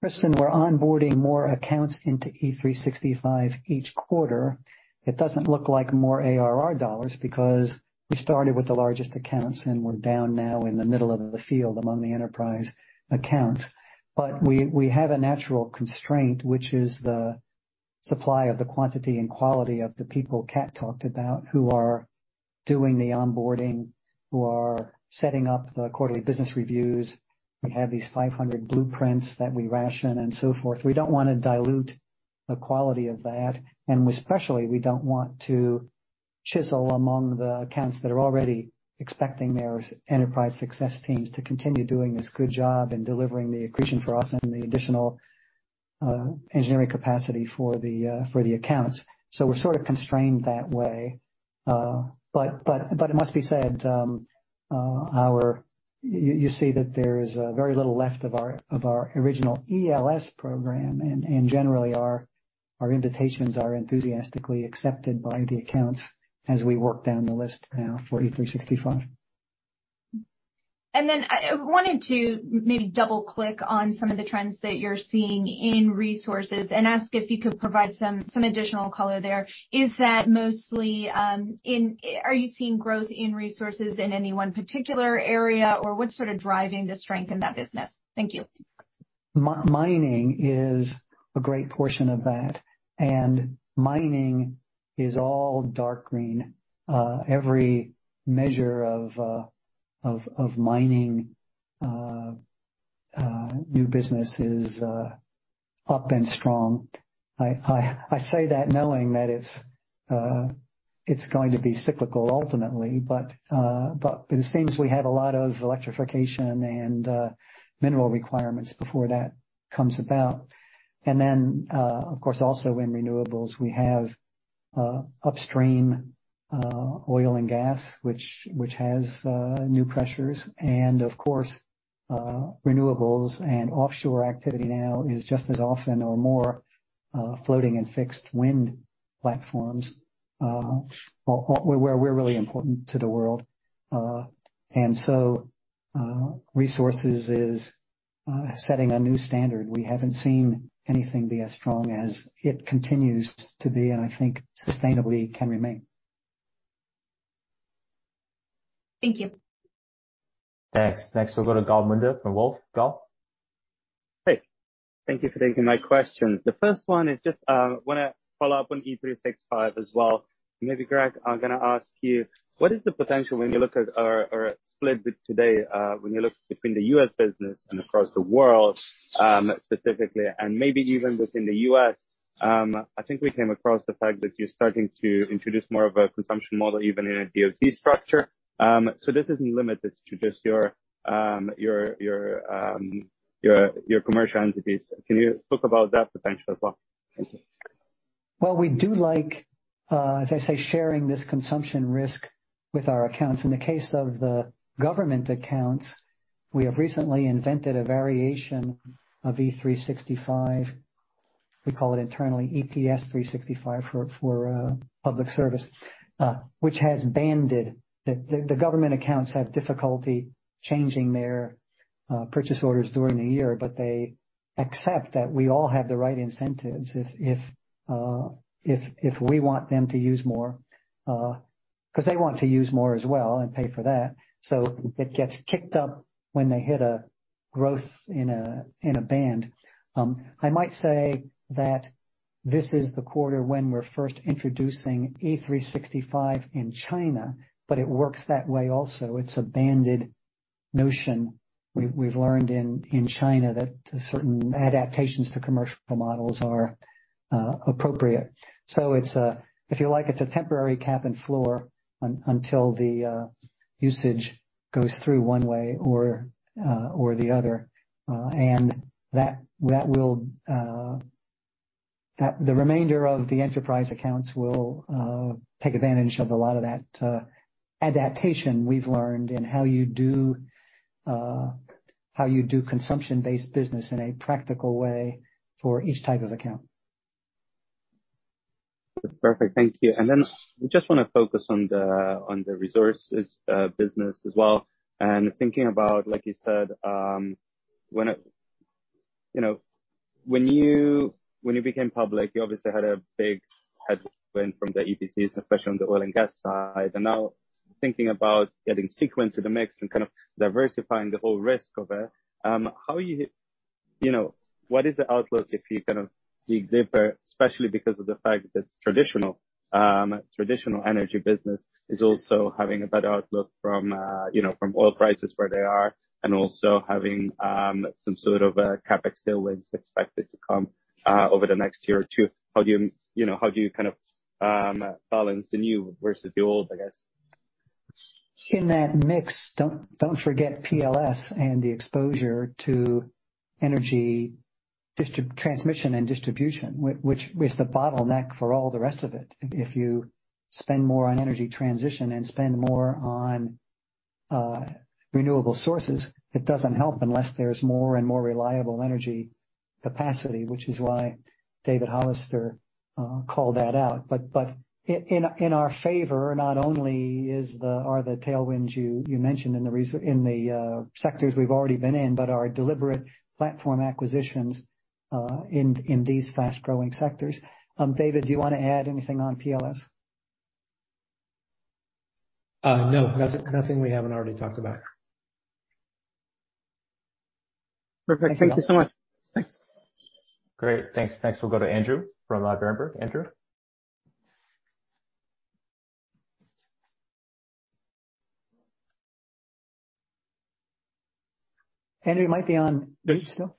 Kristen, we're onboarding more accounts into E365 each quarter. It doesn't look like more ARR dollars because we started with the largest accounts, and we're down now in the middle of the field among the enterprise accounts. We have a natural constraint, which is the supply of the quantity and quality of the people Kat talked about, who are doing the onboarding, who are setting up the quarterly business reviews. We have these 500 blueprints that we ration and so forth. We don't want to dilute the quality of that, and especially, we don't want to chisel among the accounts that are already expecting their enterprise success teams to continue doing this good job and delivering the accretion for us and the additional engineering capacity for the accounts. We're sort of constrained that way. It must be said, you see that there's very little left of our original ELS program, and generally, our invitations are enthusiastically accepted by the accounts as we work down the list now for E365. I wanted to maybe double-click on some of the trends that you're seeing in resources and ask if you could provide some additional color there. Are you seeing growth in resources in any one particular area, or what's sort of driving the strength in that business? Thank you. Mining is a great portion of that, mining is all dark green. Every measure of mining new business is up and strong. I say that knowing that it's going to be cyclical ultimately, but it seems we have a lot of electrification and mineral requirements before that comes about. Of course, also in renewables, we have upstream oil and gas, which has new pressures, and of course, renewables and offshore activity now is just as often or more floating and fixed wind platforms, where we're really important to the world. Resources is setting a new standard. We haven't seen anything be as strong as it continues to be and I think sustainably can remain. Thank you. Thanks. Next we'll go to Gal Munda from Wolfe Research. Gal? Hey. Thank you for taking my questions. The first one is just, want to follow up on E365 as well. Maybe, Greg, I'm going to ask you, what is the potential when you look at our split today, when you look between the U.S. business and across the world, specifically, and maybe even within the U.S. I think we came across the fact that you're starting to introduce more of a consumption model, even in a DoD structure. This isn't limited to just your commercial entities. Can you talk about that potential as well? Thank you. Well, we do like, as I say, sharing this consumption risk with our accounts. In the case of the government accounts, we have recently invented a variation of E365. We call it internally EPS-365 for public service, which has banded. The government accounts have difficulty changing their purchase orders during the year, but they accept that we all have the right incentives, if we want them to use more, because they want to use more as well and pay for that, so it gets kicked up when they hit a growth in a band. I might say that this is the quarter when we're first introducing E365 in China, but it works that way also. It's a banded notion. We've learned in China that certain adaptations to commercial models are appropriate. If you like, it's a temporary cap and floor until the usage goes through one way or the other. The remainder of the enterprise accounts will take advantage of a lot of that adaptation we've learned in how you do consumption-based business in a practical way for each type of account. That's perfect. Thank you. Just want to focus on the resources business as well, and thinking about, like you said, when you became public, you obviously had a big headwind from the EPCs, especially on the oil and gas side. Now thinking about getting Seequent to the mix and kind of diversifying the whole risk of it, what is the outlook if you kind of dig deeper, especially because of the fact that traditional energy business is also having a better outlook from oil prices where they are, and also having some sort of CapEx tailwinds expected to come over the next year or two? How do you kind of balance the new versus the old, I guess? In that mix, don't forget PLS and the exposure to energy transmission and distribution, which is the bottleneck for all the rest of it. If you spend more on energy transition and spend more on renewable sources, it doesn't help unless there's more and more reliable energy capacity, which is why David Hollister called that out. In our favor, not only are the tailwinds you mentioned in the sectors we've already been in, but our deliberate platform acquisitions in these fast-growing sectors. David, do you want to add anything on PLS? No, nothing we haven't already talked about. Perfect. Thank you so much. Thanks. Great. Thanks. We'll go to Andrew from Berenberg. Andrew? Andrew might be on mute still.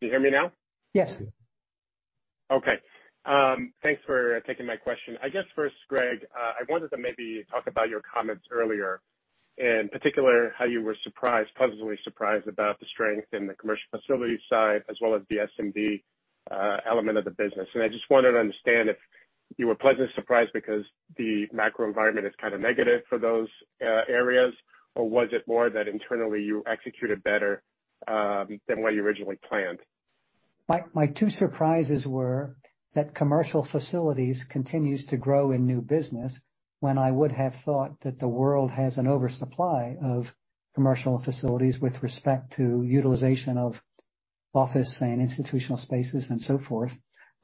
Can you hear me now? Yes. Okay. Thanks for taking my question. I guess first, Greg, I wanted to maybe talk about your comments earlier, in particular, how you were surprised, pleasantly surprised about the strength in the commercial facilities side as well as the SMB element of the business. I just wanted to understand if you were pleasantly surprised because the macro environment is kind of negative for those areas, or was it more that internally you executed better than what you originally planned? My two surprises were that commercial facilities continues to grow in new business when I would have thought that the world has an oversupply of commercial facilities with respect to utilization of office and institutional spaces and so forth.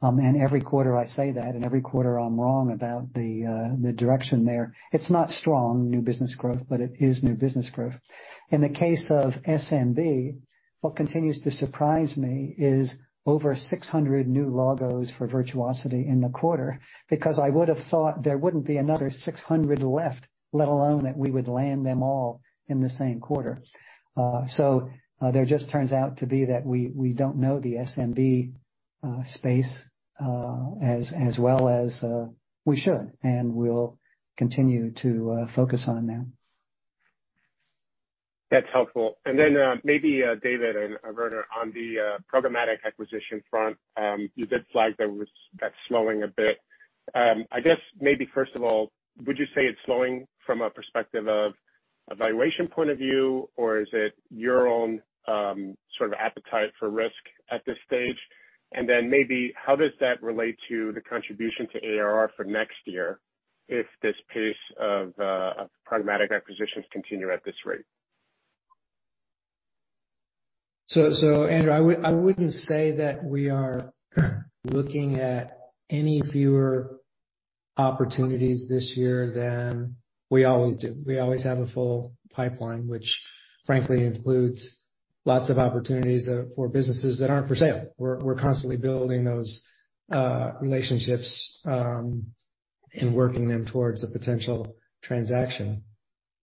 Every quarter I say that, and every quarter I'm wrong about the direction there. It's not strong new business growth, but it is new business growth. In the case of SMB, what continues to surprise me is over 600 new logos for Virtuosity in the quarter, because I would have thought there wouldn't be another 600 left, let alone that we would land them all in the same quarter. There just turns out to be that we don't know the SMB space as well as we should, and we'll continue to focus on that. That's helpful. Then maybe, David and Werner, on the programmatic acquisition front, you did flag that was slowing a bit. I guess maybe first of all, would you say it's slowing from a perspective of a valuation point of view, or is it your own sort of appetite for risk at this stage? Then maybe how does that relate to the contribution to ARR for next year if this pace of programmatic acquisitions continue at this rate? Andrew, I wouldn't say that we are looking at any fewer opportunities this year than we always do. We always have a full pipeline, which frankly includes lots of opportunities for businesses that aren't for sale. We're constantly building those relationships, and working them towards a potential transaction.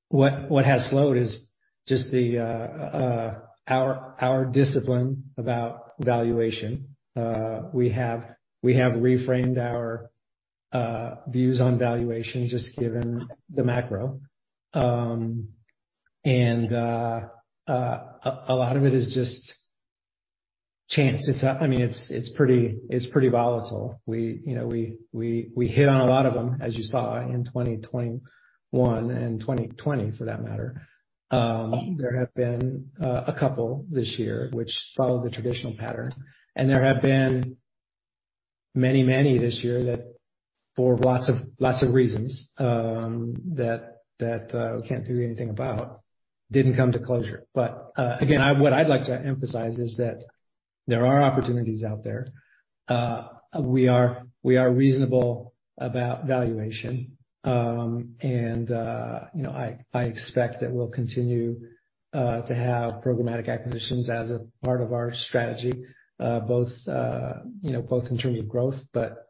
What has slowed is just our discipline about valuation. We have reframed our views on valuation just given the macro. A lot of it is just chance. It's pretty volatile. We hit on a lot of them, as you saw in 2021 and 2020 for that matter. There have been a couple this year which followed the traditional pattern, and there have been many this year that for lots of reasons, that we can't do anything about, didn't come to closure. Again, what I'd like to emphasize is that there are opportunities out there. We are reasonable about valuation. I expect that we'll continue to have programmatic acquisitions as a part of our strategy, both in terms of growth,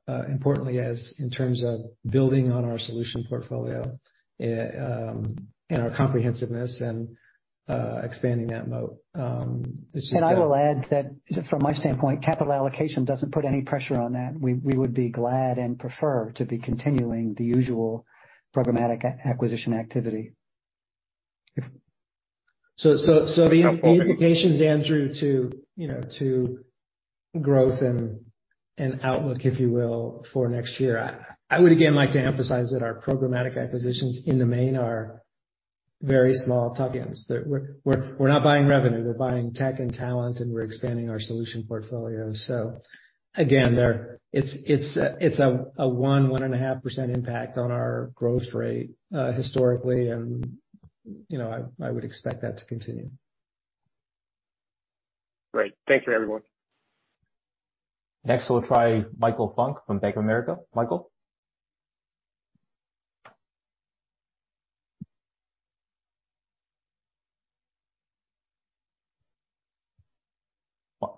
importantly, as in terms of building on our solution portfolio, and our comprehensiveness and expanding that moat. I will add that from my standpoint, capital allocation doesn't put any pressure on that. We would be glad and prefer to be continuing the usual programmatic acquisition activity. The implications, Andrew, to growth and outlook, if you will, for next year. I would again like to emphasize that our programmatic acquisitions in the main are Very small tuck-ins. We're not buying revenue, we're buying tech and talent, and we're expanding our solution portfolio. Again, it's a 1.5% impact on our growth rate historically, and I would expect that to continue. Great. Thanks for everyone. We'll try Michael Funk from Bank of America. Michael?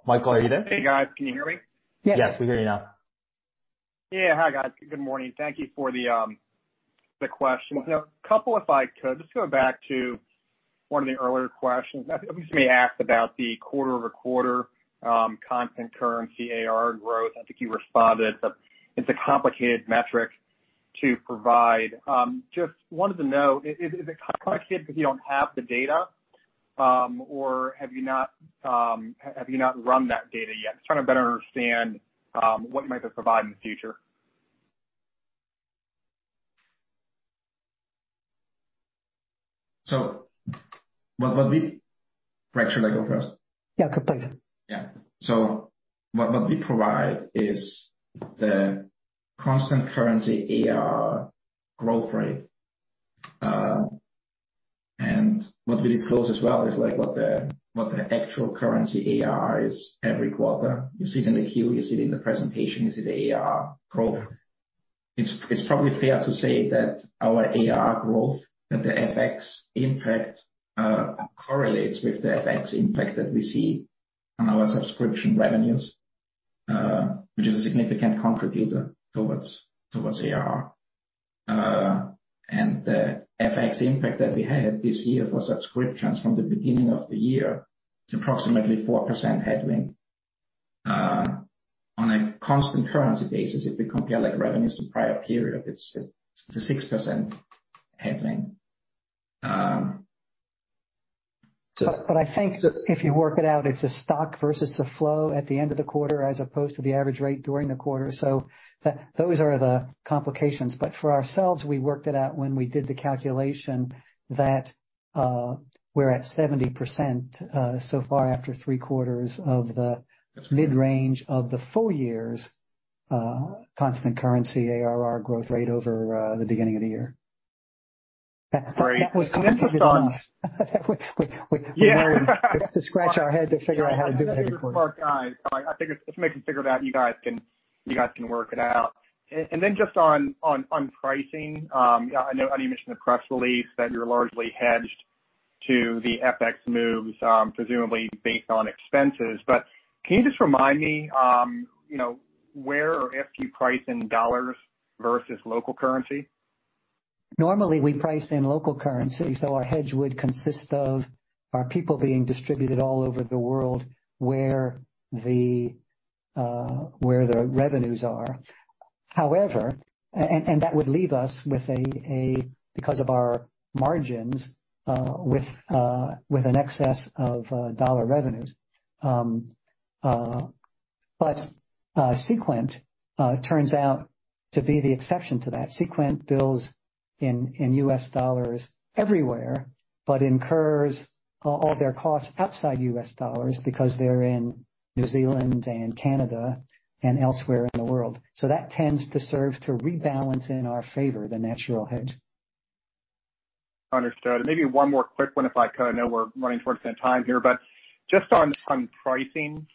Michael, are you there? Hey, guys. Can you hear me? Yes. We hear you now. Yeah. Hi, guys. Good morning. Thank you for the questions. A couple, if I could just go back to one of the earlier questions. Somebody asked about the quarter-over-quarter constant currency ARR growth. I think you responded, it's a complicated metric to provide. Just wanted to know, is it complicated because you don't have the data, or have you not run that data yet? Just trying to better understand what you might provide in the future. What we Greg, should I go first? Yeah, please. Yeah. What we provide is the constant currency ARR growth rate. What we disclose as well is what the actual currency ARR is every quarter. You see it in the Q, you see it in the presentation. You see the ARR growth. It's probably fair to say that our ARR growth, that the FX impact correlates with the FX impact that we see on our subscription revenues, which is a significant contributor towards ARR. The FX impact that we had this year for subscriptions from the beginning of the year is approximately 4% headwind. On a constant currency basis, if we compare revenues to prior period, it's a 6% headwind. I think that if you work it out, it's a stock versus a flow at the end of the quarter as opposed to the average rate during the quarter. Those are the complications. For ourselves, we worked it out when we did the calculation that we're at 70% so far after three quarters of the mid-range of the full year's constant currency ARR growth rate over the beginning of the year. Right. That was complicated. We had to scratch our head to figure out how to do that report. I figure if somebody can figure it out, you guys can work it out. Just on pricing, I know you mentioned the press release that you're largely hedged to the FX moves, presumably based on expenses. Can you just remind me where or if you price in USD versus local currency? Normally, we price in local currency, our hedge would consist of our people being distributed all over the world where the revenues are. That would leave us with a, because of our margins, with an excess of USD revenues. Seequent turns out to be the exception to that. Seequent bills in U.S. dollars everywhere but incurs all their costs outside U.S. dollars because they're in New Zealand and Canada and elsewhere in the world. That tends to serve to rebalance in our favor the natural hedge. Understood. Maybe one more quick one if I could. I know we're running towards end time here, just on pricing,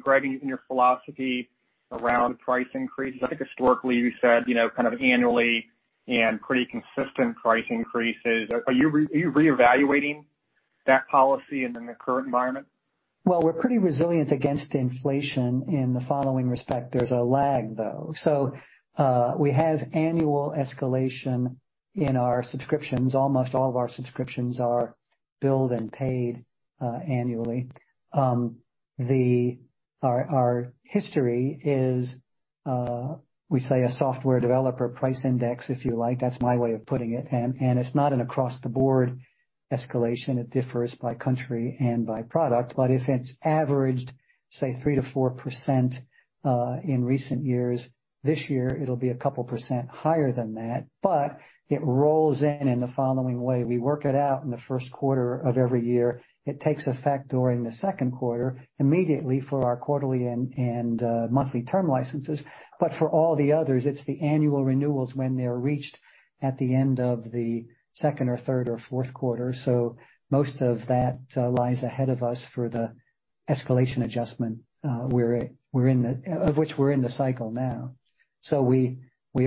Greg, in your philosophy around price increases, I think historically you said kind of annually and pretty consistent price increases. Are you reevaluating that policy in the current environment? Well, we're pretty resilient against inflation in the following respect. There's a lag, though. We have annual escalation in our subscriptions. Almost all of our subscriptions are billed and paid annually. Our history is, we say, a software developer price index, if you like. That's my way of putting it. It's not an across-the-board escalation. It differs by country and by product. If it's averaged, say, 3%-4% in recent years, this year it'll be a couple percent higher than that. It rolls in in the following way. We work it out in the first quarter of every year. It takes effect during the second quarter immediately for our quarterly and monthly term licenses. For all the others, it's the annual renewals when they're reached at the end of the second or third or fourth quarter. Most of that lies ahead of us for the escalation adjustment of which we're in the cycle now. We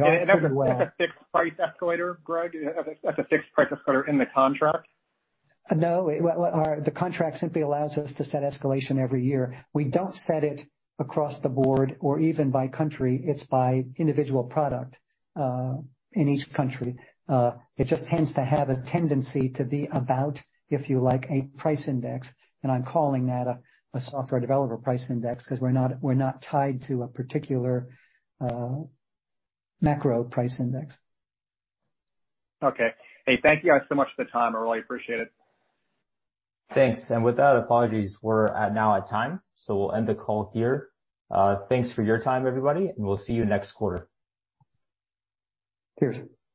are covered well. Is that a fixed price escalator, Greg? That's a fixed price escalator in the contract? No. The contract simply allows us to set escalation every year. We don't set it across the board or even by country. It's by individual product in each country. It just tends to have a tendency to be about, if you like, a price index, and I'm calling that a software developer price index because we're not tied to a particular macro price index. Okay. Hey, thank you guys so much for the time. I really appreciate it. Thanks. With that, apologies, we're now at time. We'll end the call here. Thanks for your time, everybody, and we'll see you next quarter. Cheers.